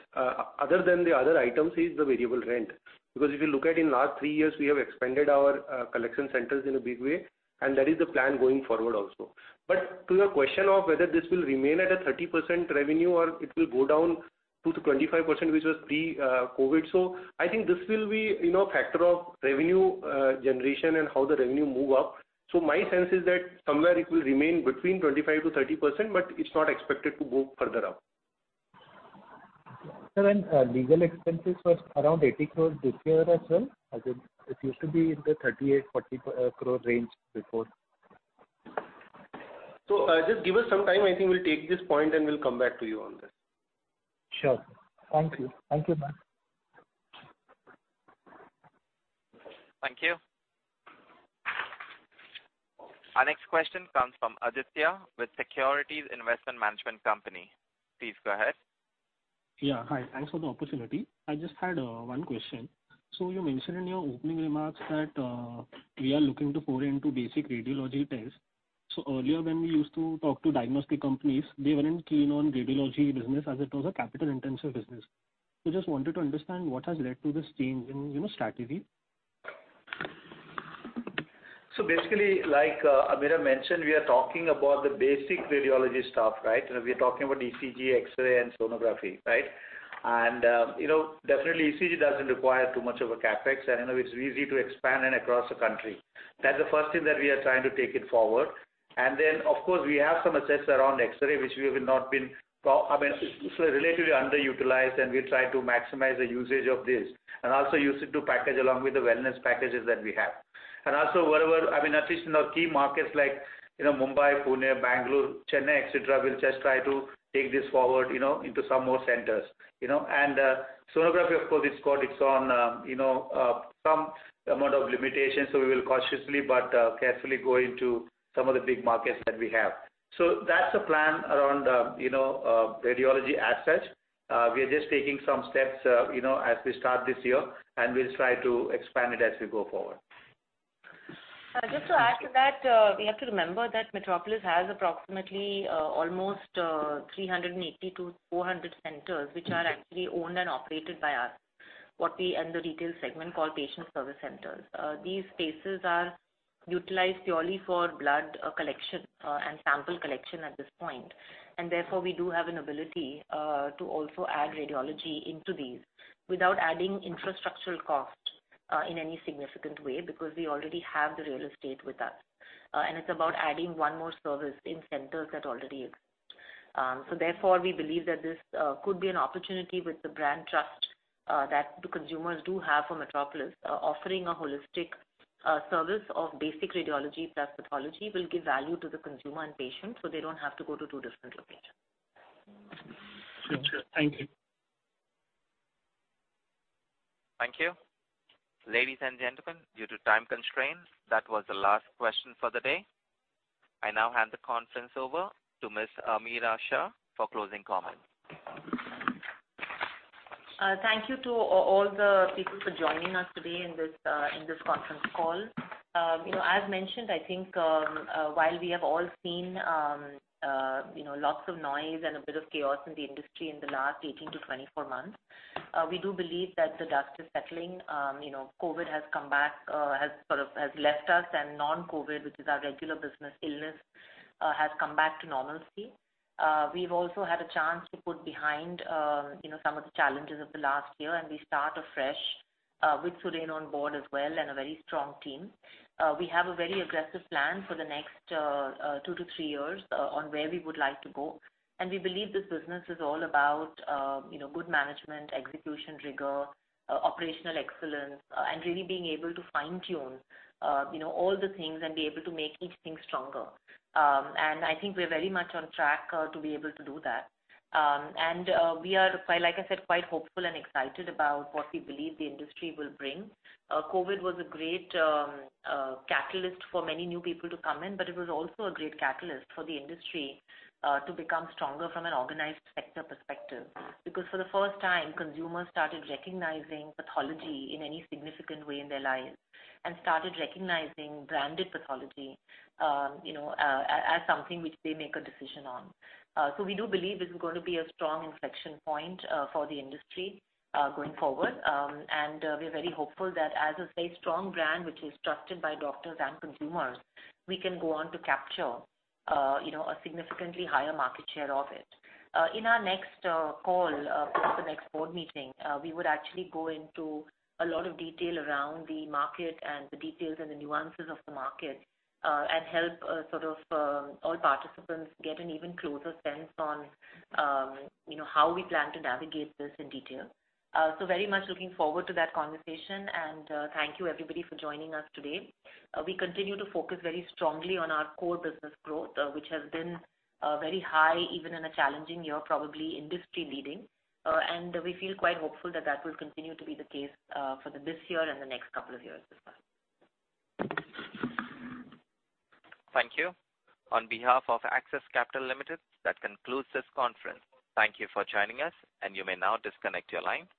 other than the other items is the variable rent. Because if you look at in the last three years, we have expanded our collection centers in a big way, and that is the plan going forward also. But to your question of whether this will remain at a 30% revenue or it will go down to 25%, which was pre-COVID, so I think this will be a factor of revenue generation and how the revenue moves up. So my sense is that somewhere it will remain between 25%-30%, but it's not expected to go further up. Legal expenses were around 80 crore this year as well. It used to be in the 38 crore-40 crore range before. So just give us some time. I think we'll take this point and we'll come back to you on this. Sure. Thank you. Thank you, man. Thank you. Our next question comes from Aditya with Securities Investment Management Company. Please go ahead. Yeah. Hi. Thanks for the opportunity. I just had one question. So you mentioned in your opening remarks that we are looking to foray into basic radiology tests. So earlier, when we used to talk to diagnostic companies, they weren't keen on radiology business as it was a capital-intensive business. We just wanted to understand what has led to this change in strategy. So basically, like Ameera mentioned, we are talking about the basic radiology stuff, right? We are talking about ECG, X-ray, and sonography, right? Definitely, ECG doesn't require too much of a CapEx, and it's easy to expand across the country. That's the first thing that we are trying to take it forward. Then, of course, we have some assets around X-ray, I mean, it's relatively underutilized, and we try to maximize the usage of this and also use it to package along with the wellness packages that we have. Also, whatever, I mean, at least in our key markets like Mumbai, Pune, Bangalore, Chennai, etc., we'll just try to take this forward into some more centers. Sonography, of course, it comes with its own some amount of limitations, so we will cautiously but carefully go into some of the big markets that we have. That's the plan around radiology as such. We are just taking some steps as we start this year, and we'll try to expand it as we go forward. Just to add to that, we have to remember that Metropolis has approximately almost 380-400 centers which are actually owned and operated by us, what we in the retail segment call patient service centers. These spaces are utilized purely for blood collection and sample collection at this point, and therefore, we do have an ability to also add radiology into these without adding infrastructural cost in any significant way because we already have the real estate with us, and it's about adding one more service in centers that already exist. So therefore, we believe that this could be an opportunity with the brand trust that the consumers do have for Metropolis, offering a holistic service of basic radiology plus pathology will give value to the consumer and patient so they don't have to go to two different locations. Sure. Thank you. Thank you. Ladies and gentlemen, due to time constraints, that was the last question for the day. I now hand the conference over to Ms. Ameera Shah for closing comments. Thank you to all the people for joining us today in this conference call. As mentioned, I think while we have all seen lots of noise and a bit of chaos in the industry in the last 18-24 months, we do believe that the dust is settling. COVID has come back, has sort of left us, and non-COVID, which is our regular business, illness has come back to normalcy. We've also had a chance to put behind some of the challenges of the last year, and we start afresh with Surendran on board as well and a very strong team. We have a very aggressive plan for the next two to three years on where we would like to go. And we believe this business is all about good management, execution rigor, operational excellence, and really being able to fine-tune all the things and be able to make each thing stronger. And I think we're very much on track to be able to do that. And we are, like I said, quite hopeful and excited about what we believe the industry will bring. COVID was a great catalyst for many new people to come in, but it was also a great catalyst for the industry to become stronger from an organized sector perspective because for the first time, consumers started recognizing pathology in any significant way in their lives and started recognizing branded pathology as something which they make a decision on. So we do believe this is going to be a strong inflection point for the industry going forward. And we're very hopeful that as a very strong brand, which is trusted by doctors and consumers, we can go on to capture a significantly higher market share of it. In our next call, the next board meeting, we would actually go into a lot of detail around the market and the details and the nuances of the market and help sort of all participants get an even closer sense on how we plan to navigate this in detail. So very much looking forward to that conversation, and thank you, everybody, for joining us today. We continue to focus very strongly on our core business growth, which has been very high even in a challenging year, probably industry-leading. And we feel quite hopeful that that will continue to be the case for this year and the next couple of years as well. Thank you. On behalf of Axis Capital Limited, that concludes this conference. Thank you for joining us, and you may now disconnect your line.